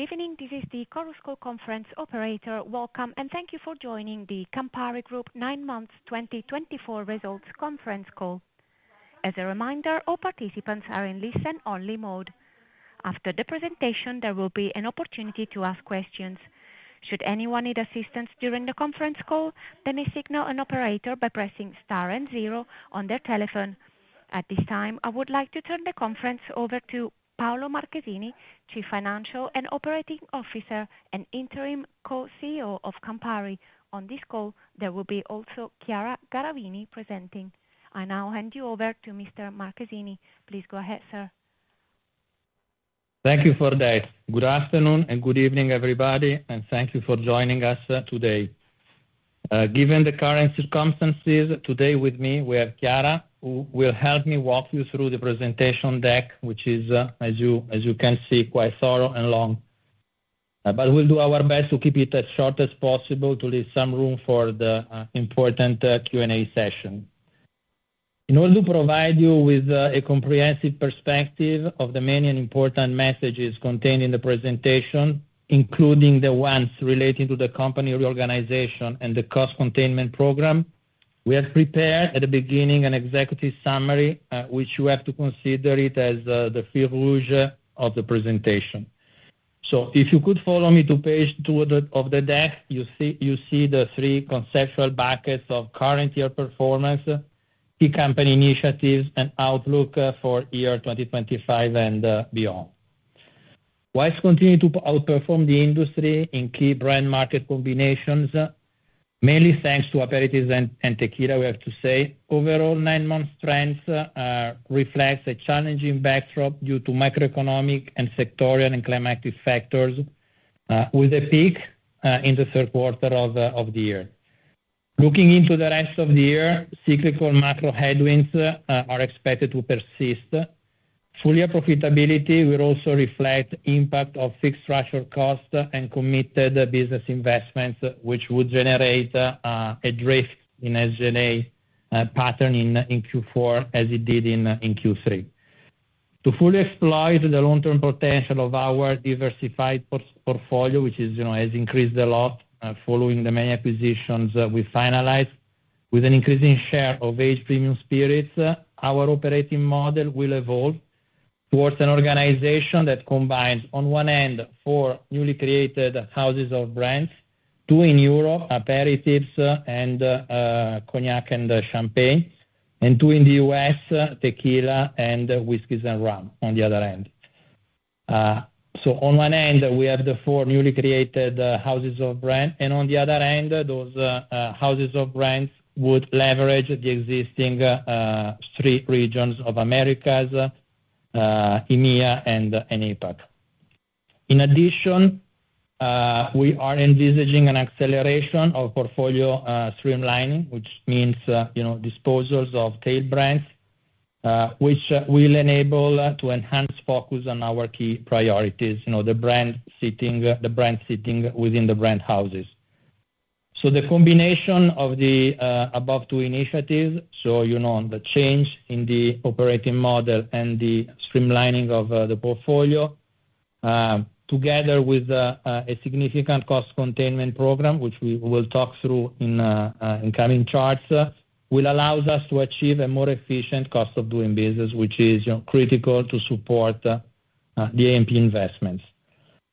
Good evening, this is the Chorus Call Conference Operator. Welcome, and thank you for joining the Campari Group 9 Months 2024 results conference call. As a reminder, all participants are in listen-only mode. After the presentation, there will be an opportunity to ask questions. Should anyone need assistance during the conference call, they may signal an operator by pressing star and zero on their telephone. At this time, I would like to turn the conference over to Paolo Marchesini, Chief Financial and Operating Officer and Interim co-CEO of Campari. On this call, there will be also Chiara Garavini presenting. I now hand you over to Mr. Marchesini. Please go ahead, sir. Thank you for that. Good afternoon and good evening, everybody, and thank you for joining us today. Given the current circumstances today with me, we have Chiara, who will help me walk you through the presentation deck, which is, as you can see, quite thorough and long. But we'll do our best to keep it as short as possible to leave some room for the important Q&A session. In order to provide you with a comprehensive perspective of the many and important messages contained in the presentation, including the ones relating to the company reorganization and the cost containment program, we have prepared at the beginning an executive summary, which you have to consider as the fil rouge of the presentation. So if you could follow me to page two of the deck, you see the three conceptual buckets of current year performance, key company initiatives, and outlook for year 2025 and beyond. Why continue to outperform the industry in key brand market combinations? Mainly thanks to aperitifs and tequila, we have to say. Overall, nine-month trends reflect a challenging backdrop due to macroeconomic and sectoral and climatic factors, with a peak in the third quarter of the year. Looking into the rest of the year, cyclical macro headwinds are expected to persist. Full profitability will also reflect the impact of fixed structure costs and committed business investments, which would generate a drift in SG&A pattern in Q4 as it did in Q3. To fully exploit the long-term potential of our diversified portfolio, which has increased a lot following the many acquisitions we finalized, with an increasing share of aged premium spirits, our operating model will evolve towards an organization that combines, on one end, four newly created houses of brands: two in Europe, aperitifs and cognac and champagne. And two in the U.S., tequila and whiskeys and rum on the other end, so on one end, we have the four newly created houses of brands, and on the other end, those houses of brands would leverage the existing three regions of Americas: EMEA and APAC. In addition, we are envisaging an acceleration of portfolio streamlining, which means disposals of tail brands, which will enable us to enhance focus on our key priorities, the brands sitting within the brand houses. The combination of the above two initiatives, the change in the operating model and the streamlining of the portfolio, together with a significant cost containment program, which we will talk through in coming charts, will allow us to achieve a more efficient cost of doing business, which is critical to support the A&P investments.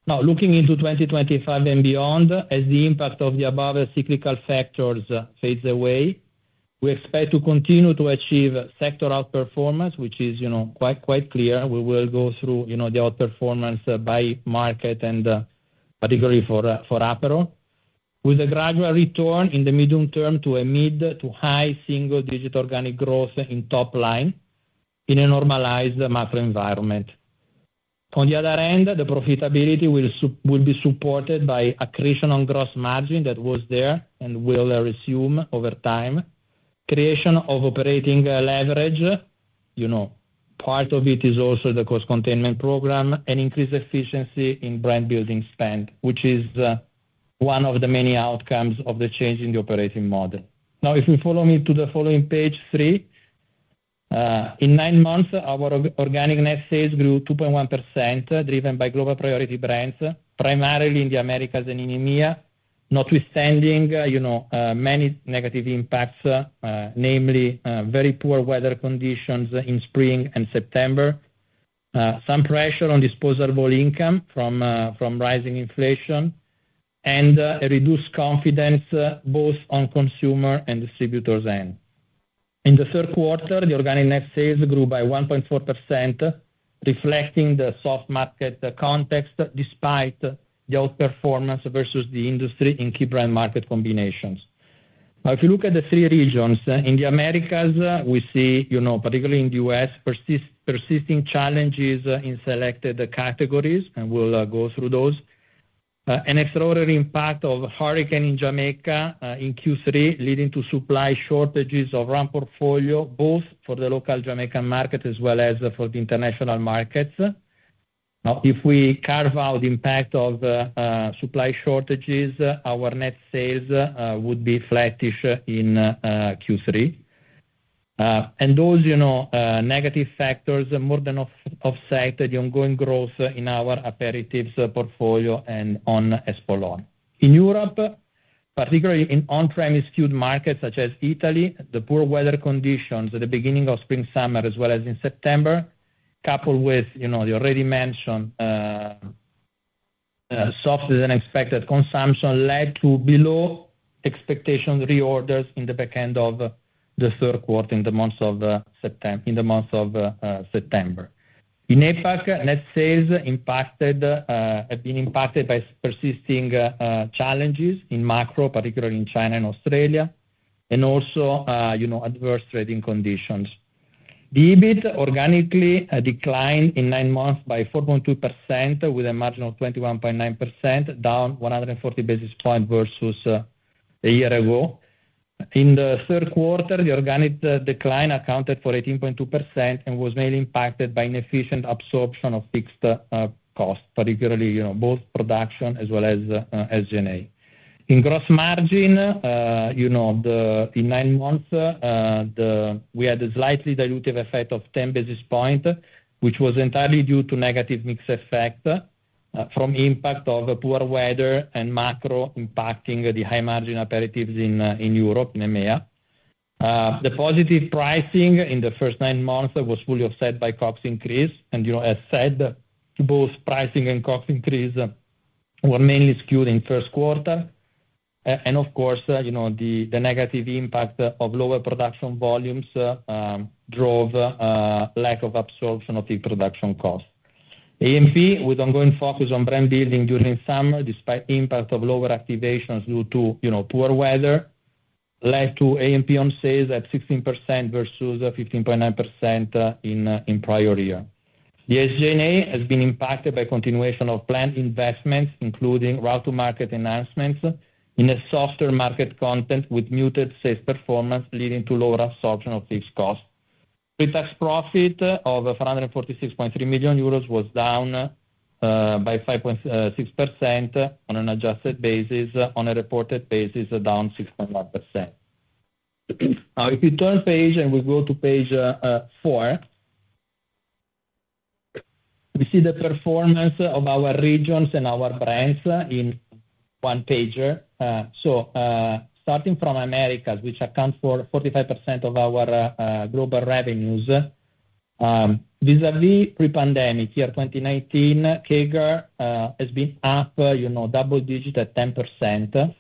Now, looking into 2025 and beyond, as the impact of the above cyclical factors fades away, we expect to continue to achieve sector outperformance, which is quite clear. We will go through the outperformance by market, and particularly for Aperol, with a gradual return in the medium term to a mid- to high-single-digit organic growth in top line in a normalized macro environment. On the other end, the profitability will be supported by accretion on gross margin that was there and will resume over time, creation of operating leverage. Part of it is also the cost containment program and increased efficiency in brand building spend, which is one of the many outcomes of the change in the operating model. Now, if you follow me to the following page three, in nine-months, our organic net sales grew 2.1%, driven by global priority brands, primarily in the Americas and in EMEA, notwithstanding many negative impacts, namely very poor weather conditions in spring and September, some pressure on disposable income from rising inflation, and a reduced confidence both on consumer and distributor's end. In the third quarter, the organic net sales grew by 1.4%, reflecting the soft market context despite the outperformance versus the industry in key brand market combinations. Now, if you look at the three regions, in the Americas, we see, particularly in the U.S., persisting challenges in selected categories, and we'll go through those. An extraordinary impact of a hurricane in Jamaica in Q3, leading to supply shortages of rum portfolio, both for the local Jamaican market as well as for the international markets. Now, if we carve out the impact of supply shortages, our net sales would be flattish in Q3. And those negative factors more than offset the ongoing growth in our Aperitifs portfolio and on Espolòn. In Europe, particularly in on-premise key markets such as Italy, the poor weather conditions at the beginning of spring-summer as well as in September, coupled with the already mentioned soft and unexpected consumption, led to below-expectation reorders in the back end of the third quarter in the months of September. In APAC, net sales have been impacted by persisting challenges in macro, particularly in China and Australia, and also adverse trading conditions. The EBIT organically declined in nine-months by 4.2%, with a margin of 21.9%, down 140 basis points versus a year ago. In the third quarter, the organic decline accounted for 18.2% and was mainly impacted by inefficient absorption of fixed costs, particularly both production as well as SG&A. In gross margin, in nine-months, we had a slightly dilutive effect of 10 basis points, which was entirely due to negative mix effect from the impact of poor weather and macro impacting the high-margin Aperitifs in Europe, in EMEA. The positive pricing in the first nine-months was fully offset by COGS increase. And as said, both pricing and COGS increase were mainly skewed in the first quarter. Of course, the negative impact of lower production volumes drove lack of absorption of the production costs. A&P, with ongoing focus on brand building during summer, despite the impact of lower activations due to poor weather, led to A&P on sales at 16% versus 15.9% in prior year. The SG&A has been impacted by the continuation of planned investments, including route-to-market enhancements in a softer market context with muted sales performance, leading to lower absorption of fixed costs. Pre-tax profit of 446.3 million euros was down by 5.6% on an adjusted basis, on a reported basis, down 6.1%. Now, if you turn the page and we go to page four, we see the performance of our regions and our brands in one-pager. Starting from Americas, which accounts for 45% of our global revenues, vis-à-vis pre-pandemic year 2019, CAGR has been up double-digit at 10%.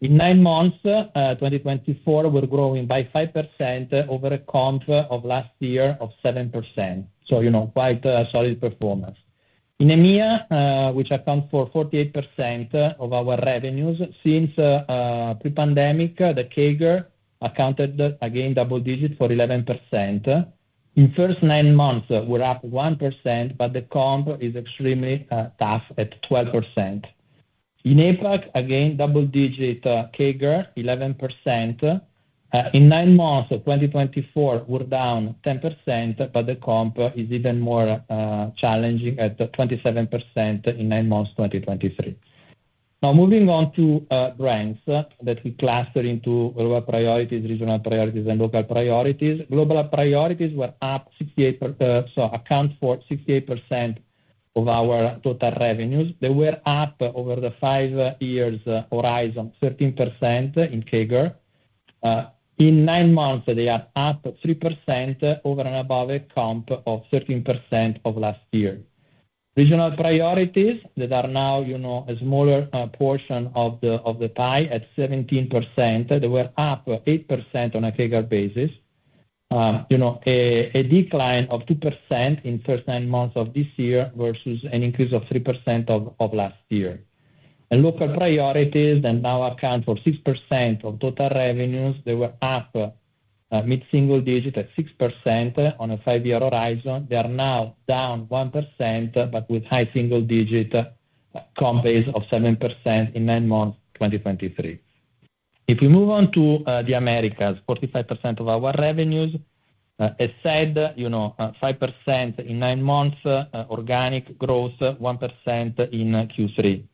In nine-months, 2024, we're growing by 5% over a comp of last year of 7%. So quite a solid performance. In EMEA, which accounts for 48% of our revenues, since pre-pandemic, the CAGR accounted again double-digit for 11%. In the first nine-months, we're up 1%, but the comp is extremely tough at 12%. In APAC, again, double-digit CAGR, 11%. In nine-months of 2024, we're down 10%, but the comp is even more challenging at 27% in nine-months 2023. Now, moving on to brands that we cluster into global priorities, regional priorities, and local priorities. Global priorities were up 68%, so account for 68% of our total revenues. They were up over the five-year horizon, 13% in CAGR. In nine-months, they are up 3% over and above a comp of 13% of last year. Regional priorities that are now a smaller portion of the pie at 17%. They were up 8% on a CER basis, a decline of 2% in the first nine-months of this year versus an increase of 3% of last year. And local priorities that now account for 6% of total revenues, they were up mid-single digit at 6% on a five-year horizon. They are now down 1%, but with high-single-digit comp base of 7% in nine-months 2023. If we move on to the Americas, 45% of our revenues, as said, 5% in nine-months, organic growth 1% in Q3.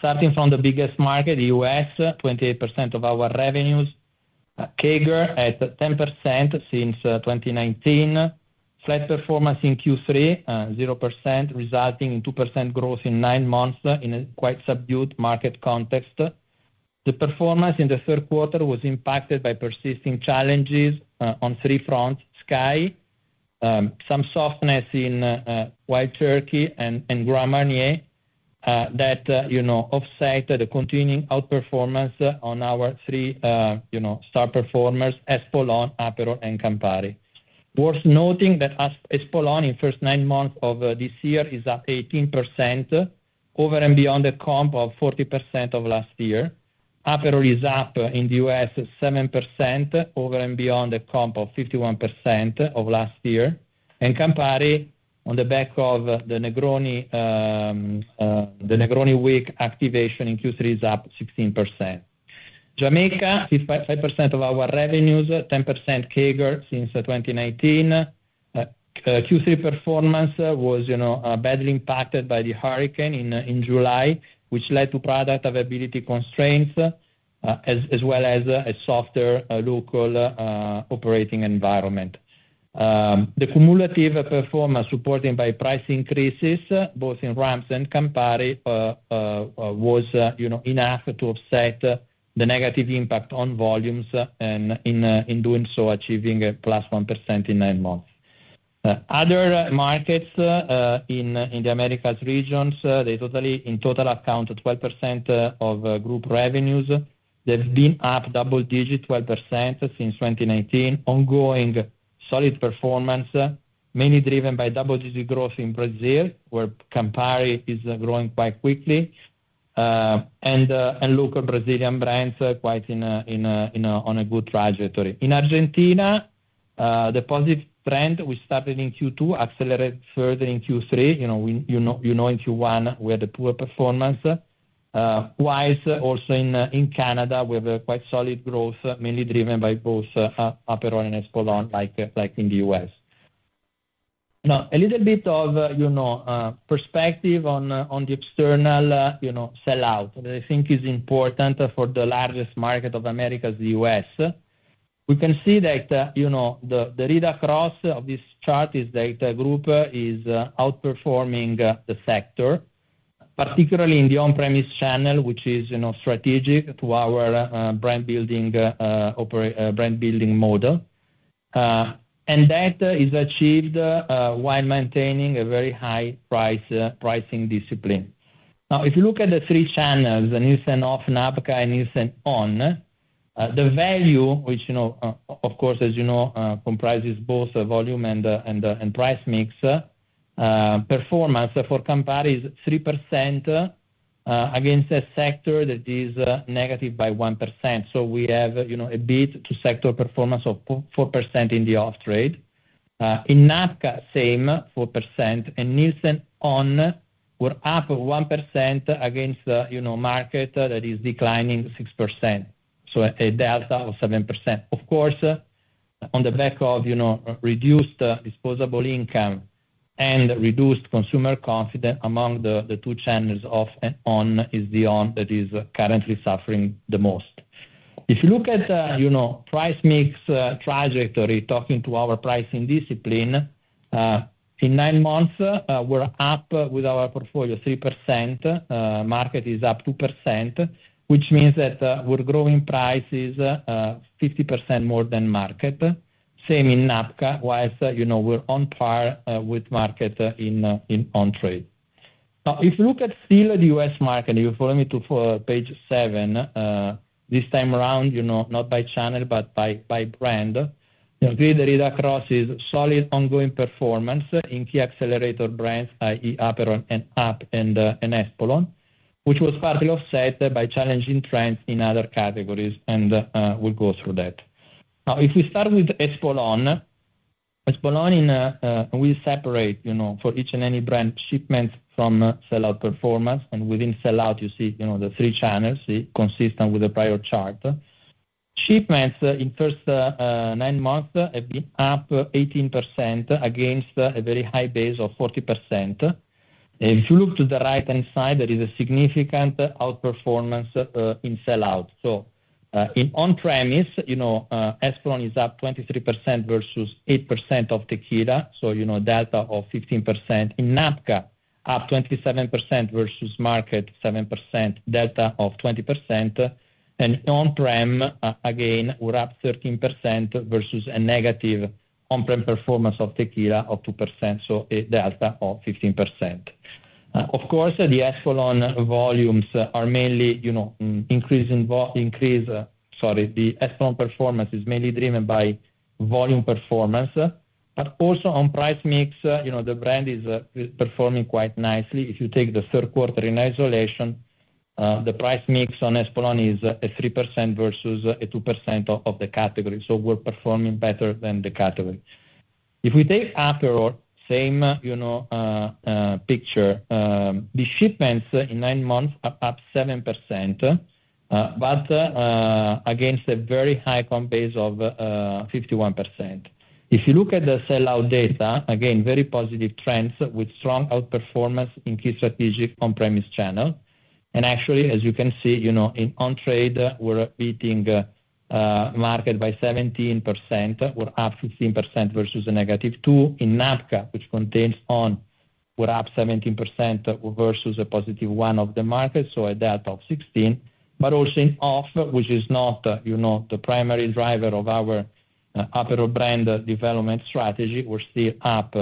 Starting from the biggest market, the U.S., 28% of our revenues, CAGR at 10% since 2019. Flat performance in Q3, 0%, resulting in 2% growth in nine-months in a quite subdued market context. The performance in the third quarter was impacted by persisting challenges on three fronts: SKYY, some softness in Wild Turkey, and Grand Marnier that offset the continuing outperformance on our three star performers: Espolòn, Aperol, and Campari. Worth noting that Espolòn in the first nine-months of this year is up 18% over and beyond a comp of 40% of last year. Aperol is up in the U.S. 7% over and beyond a comp of 51% of last year. And Campari, on the back of the Negroni Week activation in Q3, is up 16%. Jamaica, 5% of our revenues, 10% CAGR since 2019. Q3 performance was badly impacted by the hurricane in July, which led to product availability constraints as well as a softer local operating environment. The cumulative performance supported by price increases, both in rums and Campari, was enough to offset the negative impact on volumes and, in doing so, achieving +1% in nine-months. Other markets in the Americas region, they, in total, account 12% of group revenues. They've been up double-digit 12% since 2019. Ongoing solid performance, mainly driven by double-digit growth in Brazil, where Campari is growing quite quickly, and local Brazilian brands quite on a good trajectory. In Argentina, the positive trend we started in Q2 accelerated further in Q3. You know, in Q1, we had a poor performance. There, also in Canada, we have quite solid growth, mainly driven by both Aperol and Espolòn, like in the U.S. Now, a little bit of perspective on the external sellout, that I think is important for the largest market of the Americas, the U.S. We can see that the read across of this chart is that the group is outperforming the sector, particularly in the on-premise channel, which is strategic to our brand building model, and that is achieved while maintaining a very high pricing discipline. Now, if you look at the three channels, the Nielsen Off and NABCA and Nielsen On, the value, which, of course, as you know, comprises both volume and price mix, performance for Campari is 3% against a sector that is negative by 1%. We have a beat-to-sector performance of 4% in the off-trade. In NABCA, same 4%. In Nielsen On, we're up 1% against the market that is declining 6%. A delta of 7%. Of course, on the back of reduced disposable income and reduced consumer confidence, among the two channels off and on is the one that is currently suffering the most. If you look at price mix trajectory, talking to our pricing discipline, in nine-months, we're up with our portfolio 3%. Market is up 2%, which means that we're growing prices 50% more than market. Same in APAC, while we're on par with market in on-trade. Now, if you look at still the U.S. market, if you follow me to page seven, this time around, not by channel, but by brand, you'll see the read across is solid ongoing performance in key accelerator brands, i.e., Aperol and APAC and Espolòn, which was partly offset by challenging trends in other categories, and we'll go through that. Now, if we start with Espolòn, Espolòn, we separate for each and any brand shipments from sell-out performance, and within sell-out, you see the three channels, consistent with the prior chart. Shipments in the first nine-months have been up 18% against a very high base of 40%. If you look to the right-hand side, there is a significant outperformance in sell-out. So in on-premise, Espolòn is up 23% versus 8% of Tequila. So a delta of 15%. In NABCA, up 27% versus market 7%, delta of 20%. And on-prem, again, we're up 13% versus a negative on-prem performance of Tequila of 2%. So a delta of 15%. Of course, the Espolòn volumes are mainly increasing volume. Sorry, the Espolòn performance is mainly driven by volume performance. But also on price mix, the brand is performing quite nicely. If you take the third quarter in isolation, the price mix on Espolòn is a 3% versus a 2% of the category. So we're performing better than the category. If we take Aperol, same picture. The shipments in nine-months are up 7%, but against a very high comp base of 51%. If you look at the sellout data, again, very positive trends with strong outperformance in key strategic on-premise channel. And actually, as you can see, in on-trade, we're beating the market by 17%. We're up 15% versus -2%. In NABCA, which contains On, we're up 17% versus a positive 1% of the market. So a delta of 16. But also in Off, which is not the primary driver of our Aperol brand development strategy, we're still up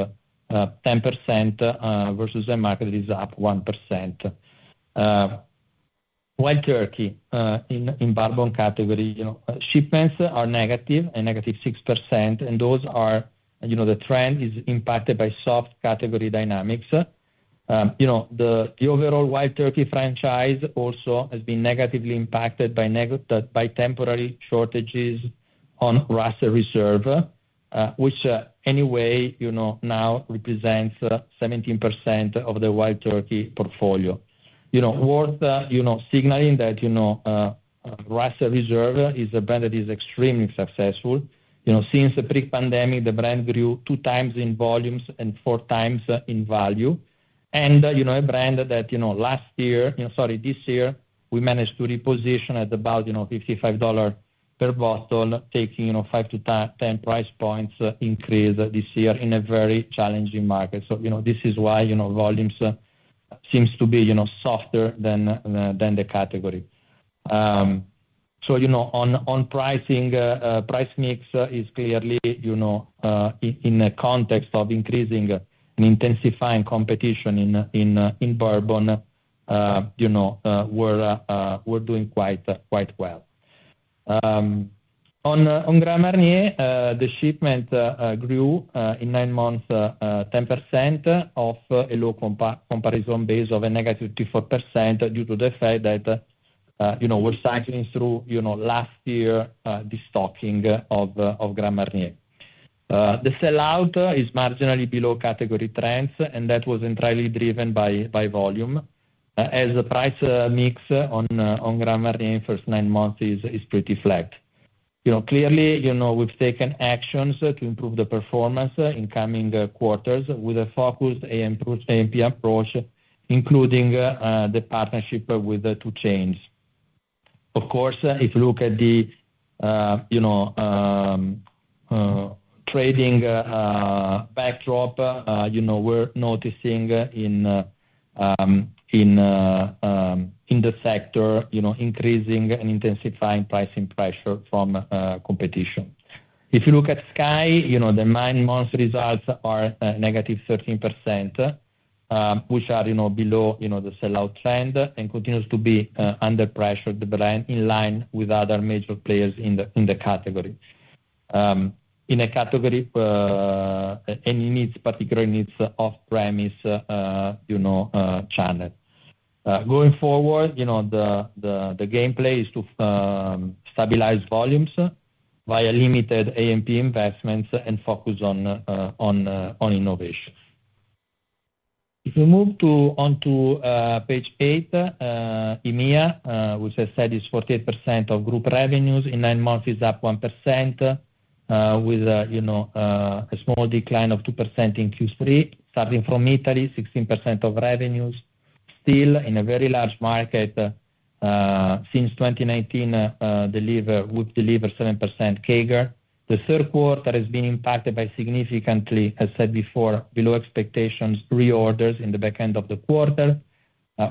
10% versus the market is up 1%. Wild Turkey, in bourbon category, shipments are negative, a -6%. And that trend is impacted by soft category dynamics. The overall Wild Turkey franchise also has been negatively impacted by temporary shortages on Russell's Reserve, which anyway now represents 17% of the Wild Turkey portfolio. Worth signaling that Russell's Reserve is a brand that is extremely successful. Since the pre-pandemic, the brand grew two times in volumes and four times in value. A brand that last year, sorry, this year, we managed to reposition at about $55 per bottle, taking a 5-10 price points increase this year in a very challenging market. This is why volumes seem to be softer than the category. On pricing, price mix is clearly in the context of increasing and intensifying competition in Bourbon, we're doing quite well. On Grand Marnier, the shipment grew in nine-months 10% off a low comparison base of a -24% due to the fact that we're cycling through last year's destocking of Grand Marnier. The sell-out is marginally below category trends, and that was entirely driven by volume, as the price mix on Grand Marnier in the first nine-months is pretty flat. Clearly, we've taken actions to improve the performance in coming quarters with a focused A&P approach, including the partnership with the 2 Chainz. Of course, if you look at the trading backdrop, we're noticing in the sector increasing and intensifying pricing pressure from competition. If you look at SKYY, the nine-month results are -13%, which are below the sell-out trend and continues to be under pressure, the brand in line with other major players in the category. In a category, and in its particular needs off-premise channel. Going forward, the gameplay is to stabilize volumes via limited A&P investments and focus on innovation. If we move on to page eight, EMEA, which I said is 48% of group revenues in nine-months, is up 1% with a small decline of 2% in Q3. Starting from Italy, 16% of revenues. Still, in a very large market since 2019, we've delivered 7% CAGR. The third quarter has been impacted by significantly, as said before, below expectations, reorders in the back end of the quarter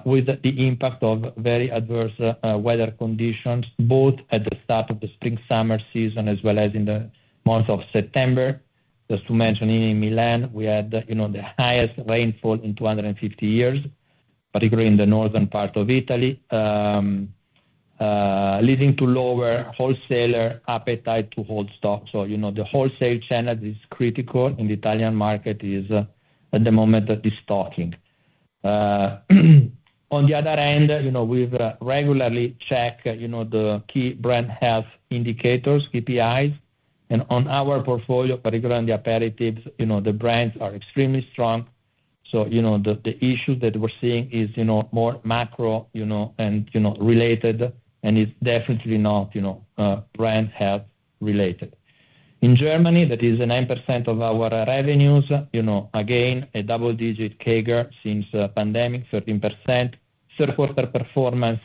with the impact of very adverse weather conditions, both at the start of the spring-summer season as well as in the month of September. Just to mention, in Milan, we had the highest rainfall in 250 years, particularly in the northern part of Italy, leading to lower wholesaler appetite to hold stock. So the wholesale channel that is critical in the Italian market is, at the moment, destocking. On the other hand, we've regularly checked the key brand health indicators, KPIs. On our portfolio, particularly on the Aperitifs, the brands are extremely strong. The issue that we're seeing is more macro and related, and it's definitely not brand health related. In Germany, that is 9% of our revenues. Again, a double-digit CAGR since the pandemic, 13%. Third-quarter performance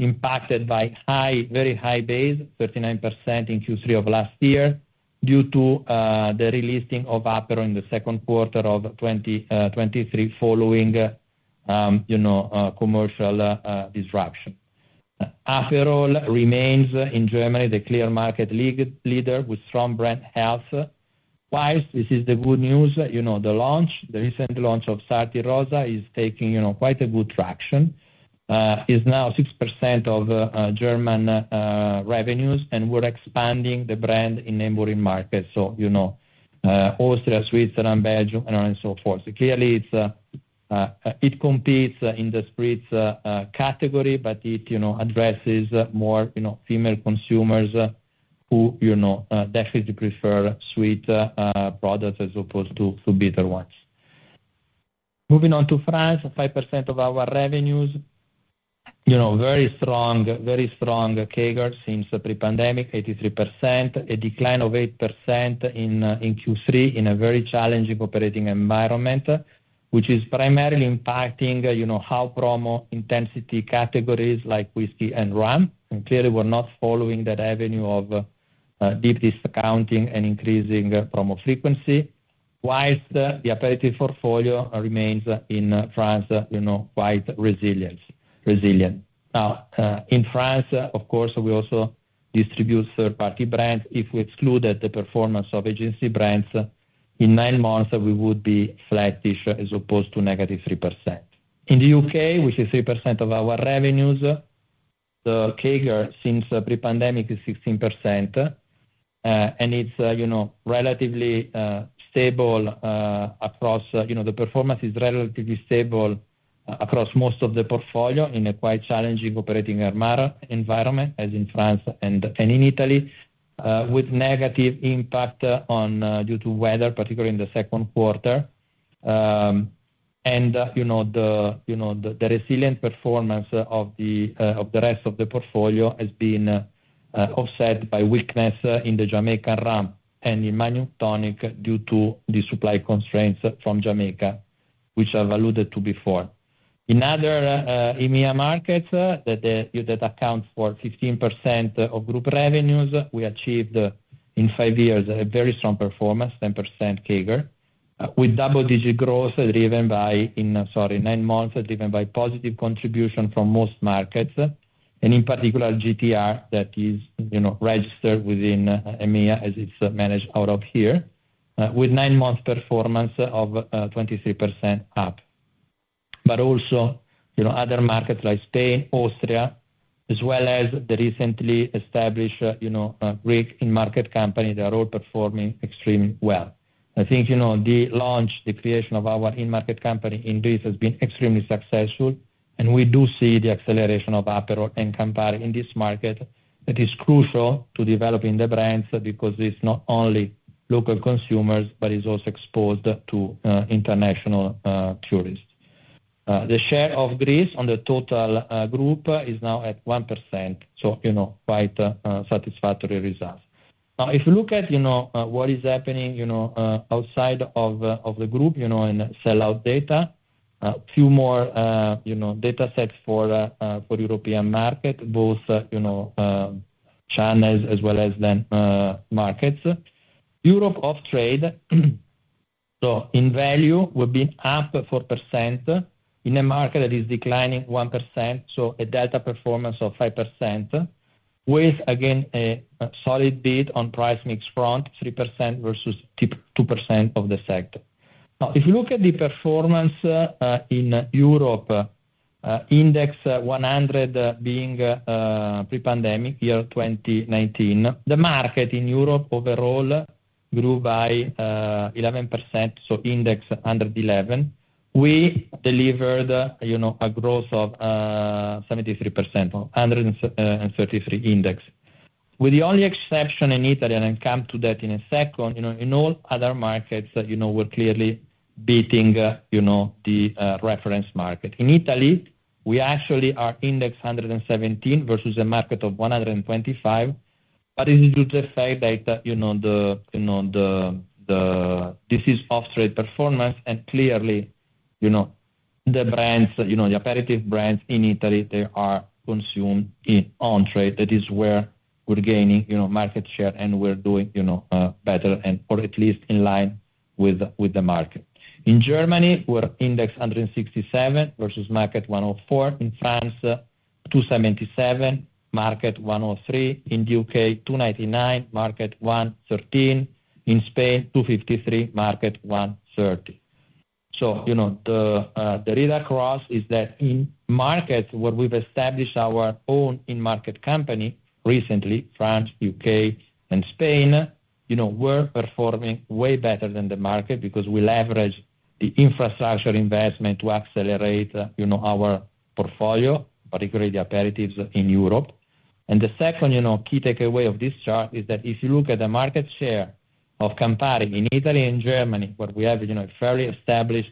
impacted by very high base, 39% in Q3 of last year due to the releasing of Aperol in the second quarter of 2023 following commercial disruption. Aperol remains in Germany the clear market leader with strong brand health. While this is the good news, the recent launch of Sarti Rosa is taking quite a good traction. It's now 6% of German revenues, and we're expanding the brand in neighboring markets. Austria, Switzerland, Belgium, and so forth. Clearly, it competes in the spirits category, but it addresses more female consumers who definitely prefer sweet products as opposed to bitter ones. Moving on to France, 5% of our revenues. Very strong CAGR since pre-pandemic, 83%. A decline of 8% in Q3 in a very challenging operating environment, which is primarily impacting high promo intensity categories like whiskey and rum. And clearly, we're not following that avenue of deep discounting and increasing promo frequency. While the aperitif portfolio remains in France quite resilient. Now, in France, of course, we also distribute third-party brands. If we exclude the performance of agency brands, in nine-months, we would be flattish as opposed to -3%. In the U.K., which is 3% of our revenues, the CAGR since pre-pandemic is 16%. And it's relatively stable across most of the portfolio in a quite challenging operating environment, as in France and in Italy, with negative impact due to weather, particularly in the second quarter. The resilient performance of the rest of the portfolio has been offset by weakness in the Jamaican rum and in Magnum Tonic due to the supply constraints from Jamaica, which I've alluded to before. In other EMEA markets, that accounts for 15% of group revenues, we achieved in five years a very strong performance, 10% CAGR, with double-digit growth driven by, sorry, nine-months driven by positive contribution from most markets. In particular, GTR that is registered within EMEA as it's managed out of here, with nine-month performance of 23% up. Also other markets like Spain, Austria, as well as the recently established Greek in-market company that are all performing extremely well. I think the launch, the creation of our in-market company in Greece has been extremely successful. We do see the acceleration of Aperol and Campari in this market that is crucial to developing the brands because it's not only local consumers, but it's also exposed to international tourists. The share of Greece on the total group is now at 1%. Quite satisfactory results. Now, if you look at what is happening outside of the group in sellout data, a few more data sets for European market, both channels as well as then markets. Europe off-trade, so in value, we've been up 4% in a market that is declining 1%. A delta performance of 5% with, again, a solid bid on price mix front, 3% versus 2% of the sector. Now, if you look at the performance in Europe, Index 100 being pre-pandemic, year 2019, the market in Europe overall grew by 11%. Index 111. We delivered a growth of 73%, 133 Index. With the only exception in Italy, and I'll come to that in a second, in all other markets, we're clearly beating the reference market. In Italy, we actually are Index 117 versus a market of 125, but it is due to the fact that this is off-trade performance, and clearly, the brands, the aperitif brands in Italy, they are consumed in on-trade. That is where we're gaining market share and we're doing better and, or at least in line with the market. In Germany, we're Index 167 versus market 104. In France, 277, market 103. In the U.K., 299, market 113. In Spain, 253, market 130. The read across is that in markets where we've established our own in-market company recently, France, U.K., and Spain, we're performing way better than the market because we leverage the infrastructure investment to accelerate our portfolio, particularly the Aperitifs in Europe. The second key takeaway of this chart is that if you look at the market share of Campari in Italy and Germany, where we have a fairly established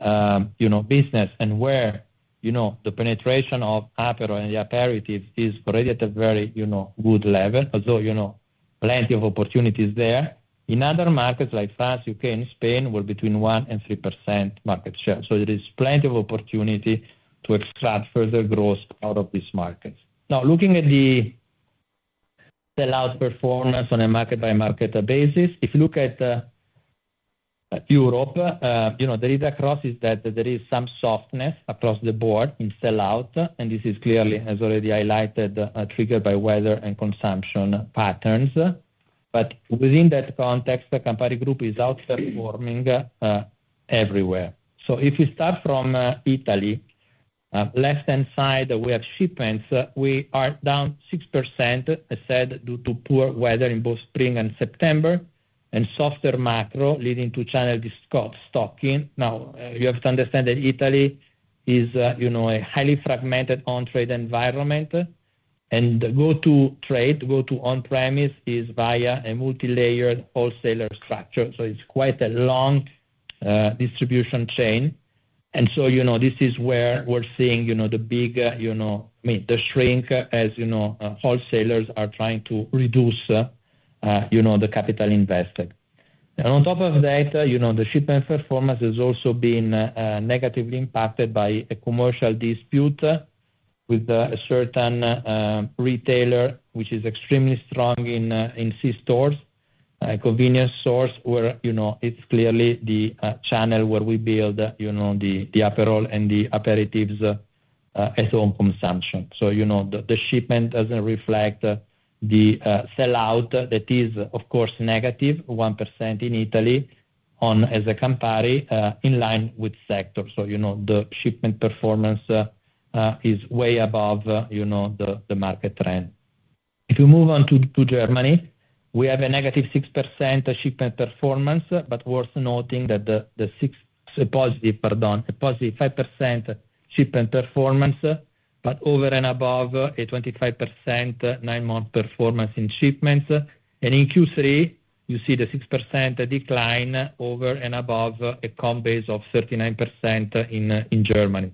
business and where the penetration of Aperol and the aperitif is already at a very good level, although plenty of opportunities there. In other markets like France, U.K., and Spain, we're between 1%-3% market share. There is plenty of opportunity to extract further growth out of these markets. Now, looking at the sellout performance on a market-by-market basis, if you look at Europe, the read-across is that there is some softness across the board in sellout. This is clearly, as already highlighted, triggered by weather and consumption patterns. Within that context, the Campari Group is outperforming everywhere. If we start from Italy, left-hand side, we have shipments. We are down 6%, I said, due to poor weather in both spring and September, and softer macro leading to channel destocking. Now, you have to understand that Italy is a highly fragmented on-trade environment, and the go-to trade, go-to on-premise is via a multi-layered wholesaler structure. So it's quite a long distribution chain, and so this is where we're seeing the big, I mean, the shrink as wholesalers are trying to reduce the capital invested. On top of that, the shipment performance has also been negatively impacted by a commercial dispute with a certain retailer, which is extremely strong in C-stores, convenience stores, where it's clearly the channel where we build the Aperol and the Aperitifs at home consumption, so the shipment doesn't reflect the sellout that is, of course, -1% in Italy as a Campari in line with sector. So the shipment performance is way above the market trend. If we move on to Germany, we have a -6% shipment performance, but worth noting that the +5% shipment performance, but over and above a 25% nine-month performance in shipments. And in Q3, you see the 6% decline over and above a comp base of 39% in Germany.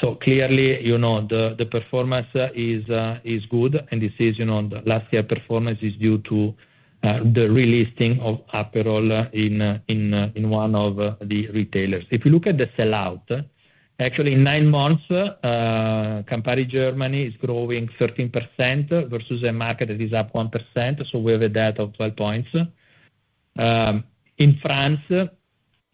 So clearly, the performance is good. And this is the last year performance is due to the relisting of Aperol in one of the retailers. If you look at the sell-out, actually, in nine-months, Campari Germany is growing 13% versus a market that is up 1%. So we have a lead of 12 points. In France,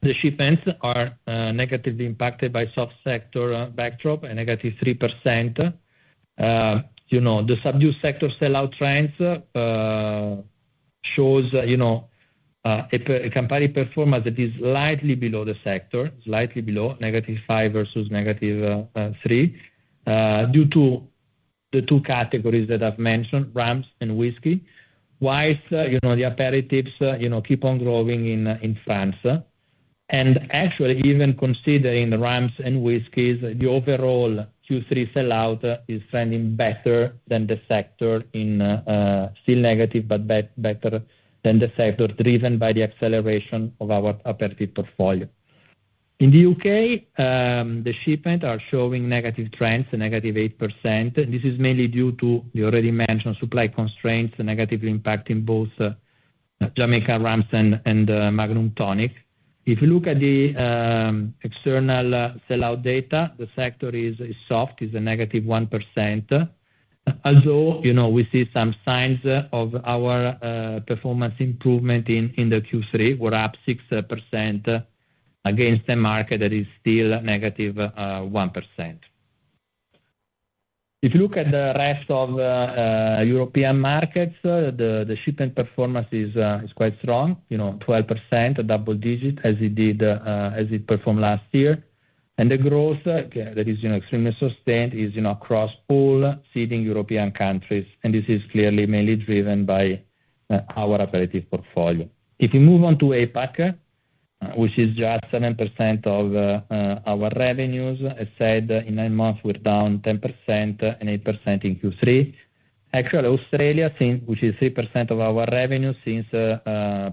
the shipments are negatively impacted by soft sector backdrop, a -3%. The subdued sector sellout trends show a Campari performance that is slightly below the sector, slightly below -5% versus -3% due to the two categories that I've mentioned, rums and whiskey. While the Aperitifs keep on growing in France, and actually, even considering the rums and whiskeys, the overall Q3 sellout is trending better than the sector. It's still negative, but better than the sector driven by the acceleration of our aperitif portfolio. In the U.K., the shipments are showing negative trends, a -8%. This is mainly due to the already mentioned supply constraints negatively impacting both Jamaican rums and Magnum Tonic. If you look at the external sellout data, the sector is soft, a -1%. Although we see some signs of our performance improvement in the Q3, we're up 6% against a market that is still negative 1%. If you look at the rest of European markets, the shipment performance is quite strong, 12%, a double-digit, as it did, as it performed last year. The growth that is extremely sustained is across all key European countries. This is clearly mainly driven by our Aperitif portfolio. If you move on to APAC, which is just 7% of our revenues, I said in nine-months, we're down 10% and 8% in Q3. Actually, Australia, which is 3% of our revenue since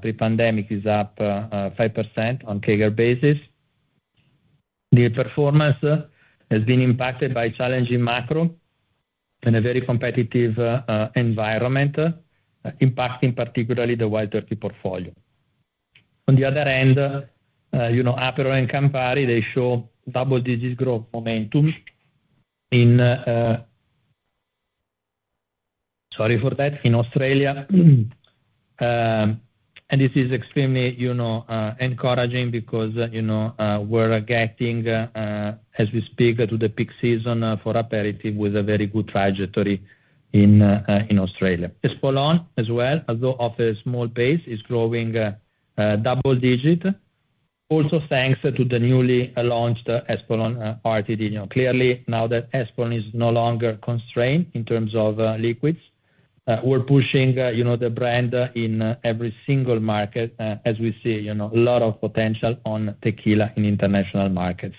pre-pandemic, is up 5% on CAGR basis. The performance has been impacted by challenging macro and a very competitive environment, impacting particularly the Wild Turkey portfolio. On the other end, Aperol and Campari, they show double-digit growth momentum in, sorry for that, in Australia. And this is extremely encouraging because we're getting, as we speak, to the peak season for Aperitif with a very good trajectory in Australia. Espolòn as well, although off a small base, is growing double-digit, also thanks to the newly launched Espolòn RTD. Clearly, now that Espolòn is no longer constrained in terms of liquids, we're pushing the brand in every single market, as we see a lot of potential on tequila in international markets.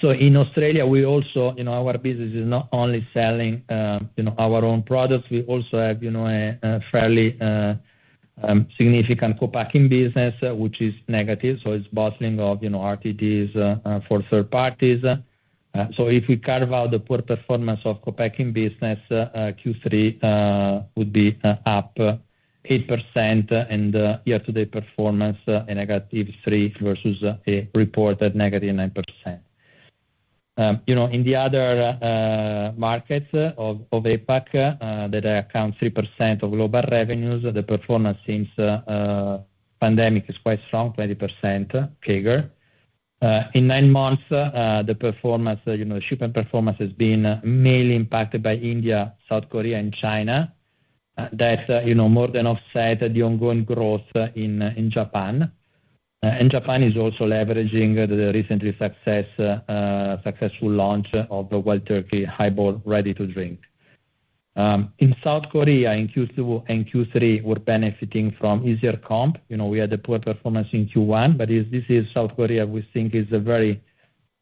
So in Australia, we also, our business is not only selling our own products. We also have a fairly significant co-pack business, which is negative. So it's bottling of RTDs for third parties. So if we carve out the poor performance of co-pack business, Q3 would be up 8% and year-to-date performance a -3% versus a reported -9%. In the other markets of APAC that account for 3% of global revenues, the performance since the pandemic is quite strong, 20% CAGR. In nine-months, the performance, the shipment performance has been mainly impacted by India, South Korea, and China. That more than offsets the ongoing growth in Japan. And Japan is also leveraging the recently successful launch of the Wild Turkey Highball Ready-to-Drink. In South Korea, in Q2 and Q3, we're benefiting from easier comp. We had a poor performance in Q1, but this is South Korea, we think, is a very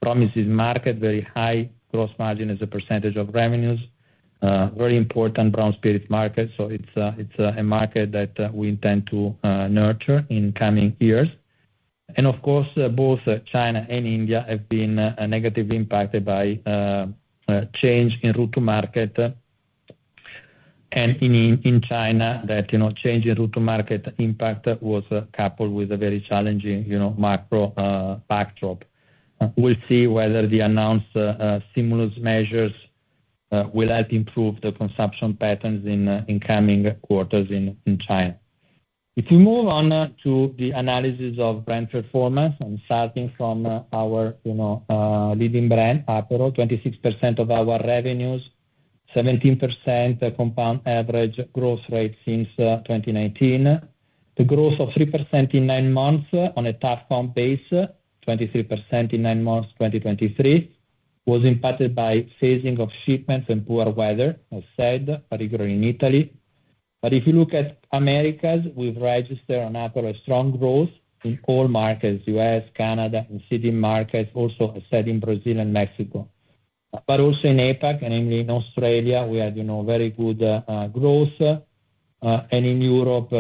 promising market, very high gross margin as a percentage of revenues, very important brown spirit market. So it's a market that we intend to nurture in coming years. And of course, both China and India have been negatively impacted by change in route to market. And in China, that change in route to market impact was coupled with a very challenging macro backdrop. We'll see whether the announced stimulus measures will help improve the consumption patterns in coming quarters in China. If we move on to the analysis of brand performance, I'm starting from our leading brand, Aperol, 26% of our revenues, 17% compound annual growth rate since 2019. The growth of 3% in nine-months on a tough comp base, 23% in nine-months, 2023, was impacted by phasing of shipments and poor weather, as said, particularly in Italy. But if you look at Americas, we've registered on Aperol a strong growth in all markets, U.S., Canada, and Latin markets, also as said in Brazil and Mexico. But also in APAC, and mainly in Australia, we had very good growth. In Europe,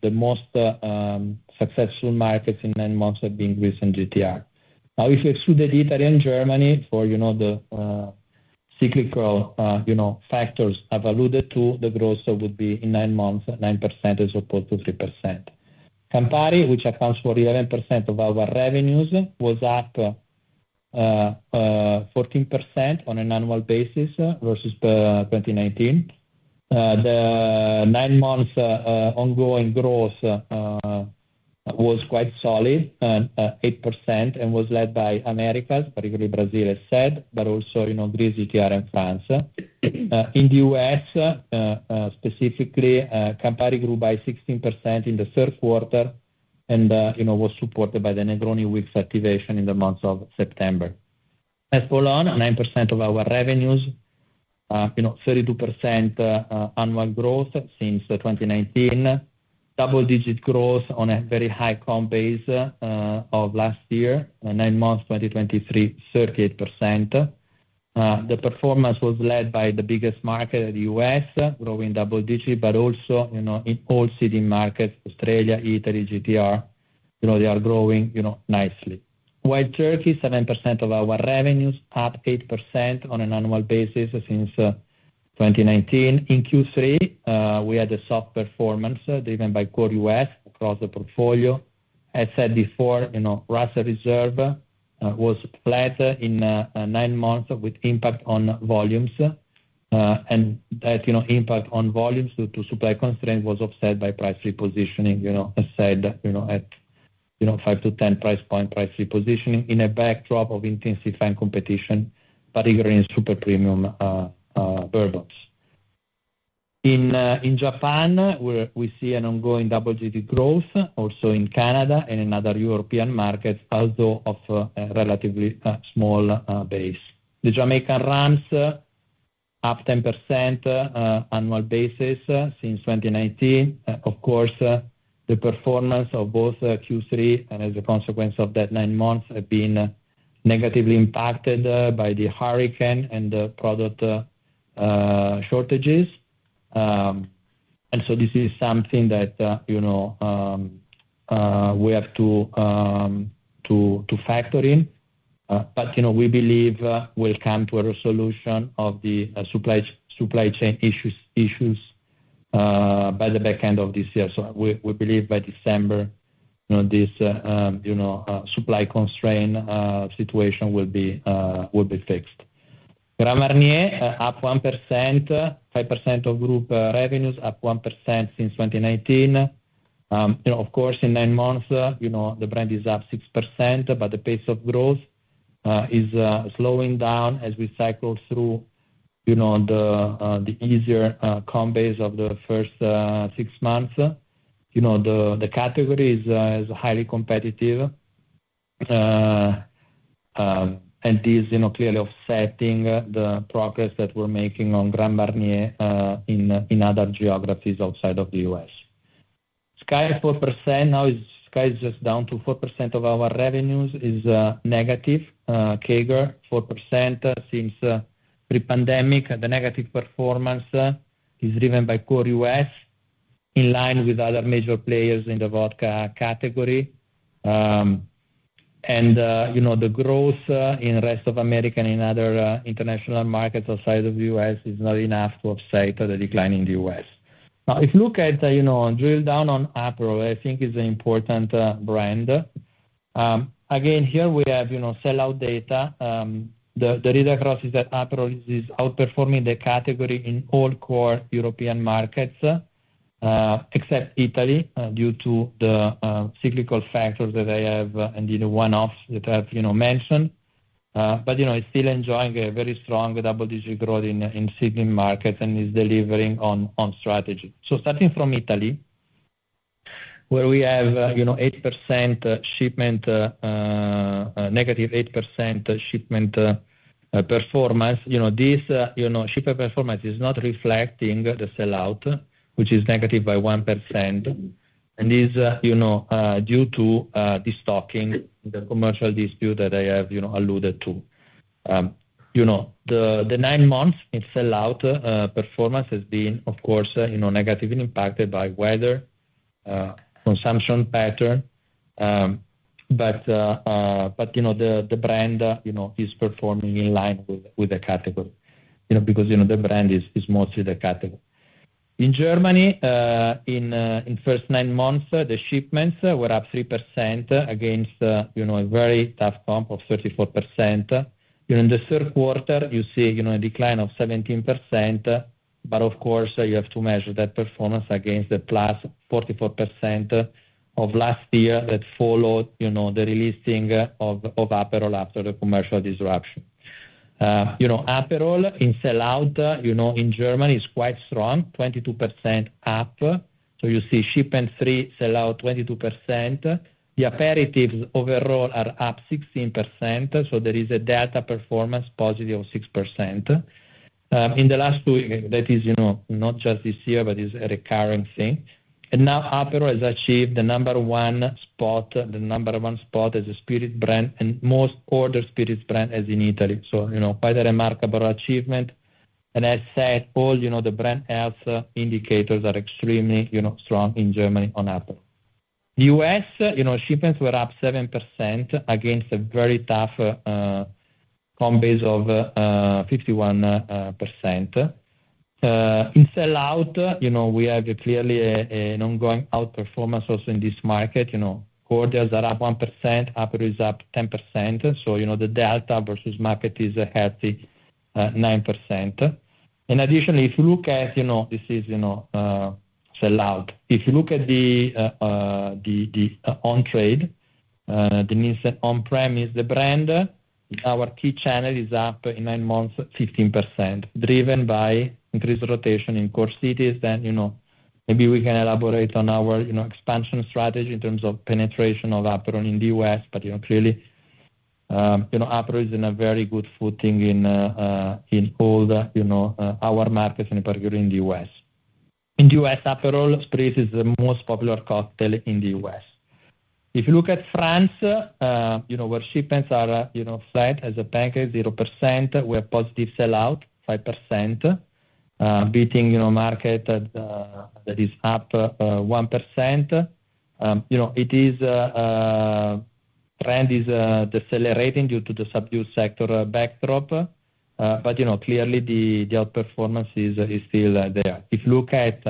the most successful markets in nine-months have been Greece and GTR. Now, if we exclude the Italy and Germany for the cyclical factors I've alluded to, the growth would be in nine-months, 9% as opposed to 3%. Campari, which accounts for 11% of our revenues, was up 14% on an annual basis versus 2019. The nine-month ongoing growth was quite solid, 8%, and was led by Americas, particularly Brazil, as said, but also Greece, GTR, and France. In the U.S., specifically, Campari grew by 16% in the third quarter and was supported by the Negroni Week activation in the months of September. Espolòn, 9% of our revenues, 32% annual growth since 2019, double-digit growth on a very high comp base of last year, nine-months, 2023, 38%. The performance was led by the biggest market, the U.S., growing double-digit, but also in all key markets, Australia, Italy, GTR, they are growing nicely. Wild Turkey, 7% of our revenues, up 8% on an annual basis since 2019. In Q3, we had a soft performance driven by core U.S. across the portfolio. As said before, Russell's Reserve was flat in nine-months with impact on volumes. And that impact on volumes due to supply constraint was offset by price repositioning, as said, at 5-10 price point, price repositioning in a backdrop of intensifying competition, particularly in super premium bourbons. In Japan, we see an ongoing double-digit growth, also in Canada and in other European markets, although of a relatively small base. The Jamaican rums, up 10% annual basis since 2019. Of course, the performance of both Q3 and, as a consequence of that, nine-months have been negatively impacted by the hurricane and the product shortages, and so this is something that we have to factor in, but we believe we'll come to a resolution of the supply chain issues by the back end of this year, so we believe by December, this supply constraint situation will be fixed. Grand Marnier, up 1%, 5% of group revenues, up 1% since 2019. Of course, in nine-months, the brand is up 6%, but the pace of growth is slowing down as we cycle through the easier comp base of the first six months. The category is highly competitive, and this is clearly offsetting the progress that we're making on Grand Marnier in other geographies outside of the U.S. SKYY 4%, now SKYY is just down to 4% of our revenues, is negative. CAGR, 4% since pre-pandemic. The negative performance is driven by core U.S. in line with other major players in the vodka category. And the growth in the rest of America and in other international markets outside of the U.S. is not enough to offset the decline in the U.S. Now, if you look at drill down on Aperol, I think it's an important brand. Again, here we have sellout data. The read across is that Aperol is outperforming the category in all core European markets, except Italy due to the cyclical factors that I have and the one-offs that I've mentioned. But it's still enjoying a very strong double-digit growth in certain markets and is delivering on strategy. So starting from Italy, where we have 8% shipment, -8% shipment performance, this shipment performance is not reflecting the sellout, which is negative by 1%. And this is due to destocking in the commercial dispute that I have alluded to. The nine-months in sellout performance has been, of course, negatively impacted by weather, consumption pattern. But the brand is performing in line with the category because the brand is mostly the category. In Germany, in first nine-months, the shipments were up 3% against a very tough comp of 34%. In the third quarter, you see a decline of 17%. But of course, you have to measure that performance against the +44% of last year that followed the releasing of Aperol after the commercial disruption. Aperol in sellout in Germany is quite strong, 22% up. So you see shipment 3%, sellout 22%. The Aperitifs overall are up 16%. So there is a delta performance positive of 6%. In the last two years, that is not just this year, but it's a recurring thing. And now Aperol has achieved the number one spot, the number one spot as a spirit brand and most ordered spirits brand in Italy. So quite a remarkable achievement. And as said, all the brand health indicators are extremely strong in Germany on Aperol. The U.S. shipments were up 7% against a very tough comp base of 51%. In sellout, we have clearly an ongoing outperformance also in this market. Cordials are up 1%. Aperol is up 10%. So the delta versus market is a healthy 9%. And additionally, if you look at this is sellout. If you look at the on-trade, the on-prem is the brand. Our key channel is up in nine-months, 15%, driven by increased rotation in core cities. Then maybe we can elaborate on our expansion strategy in terms of penetration of Aperol in the U.S. But clearly, Aperol is in a very good footing in all our markets and particularly in the U.S. In the U.S., Aperol Spritz is the most popular cocktail in the U.S. If you look at France, where shipments are flat as a pancake, 0%, we have positive sellout, 5%, beating market that is up 1%. Its trend is decelerating due to the subdued sector backdrop. But clearly, the outperformance is still there. If you look at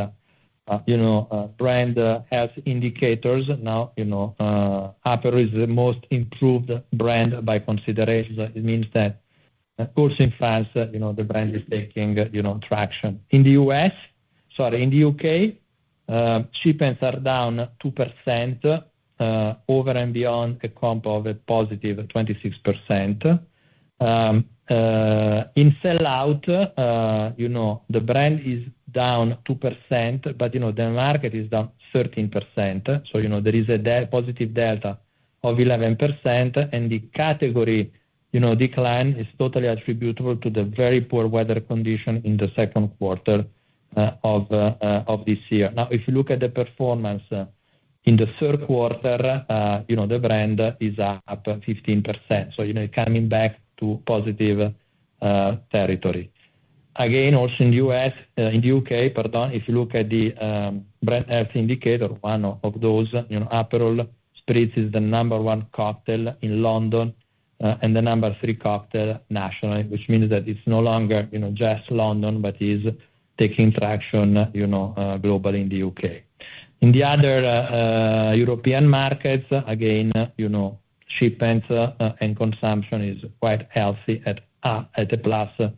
brand health indicators, now Aperol is the most improved brand by consideration. It means that, of course, in France, the brand is taking traction. In the U.S., sorry, in the U.K., shipments are down 2% over and beyond a comp of a positive 26%. In sellout, the brand is down 2%, but the market is down 13%, so there is a positive delta of 11%, and the category decline is totally attributable to the very poor weather condition in the second quarter of this year. Now, if you look at the performance in the third quarter, the brand is up 15%, so coming back to positive territory. Again, also in the U.K., pardon, if you look at the brand health indicator, one of those, Aperol Spritz is the number one cocktail in London and the number three cocktail nationally, which means that it's no longer just London, but is taking traction globally in the U.K. In the other European markets, again, shipments and consumption is quite healthy at +13%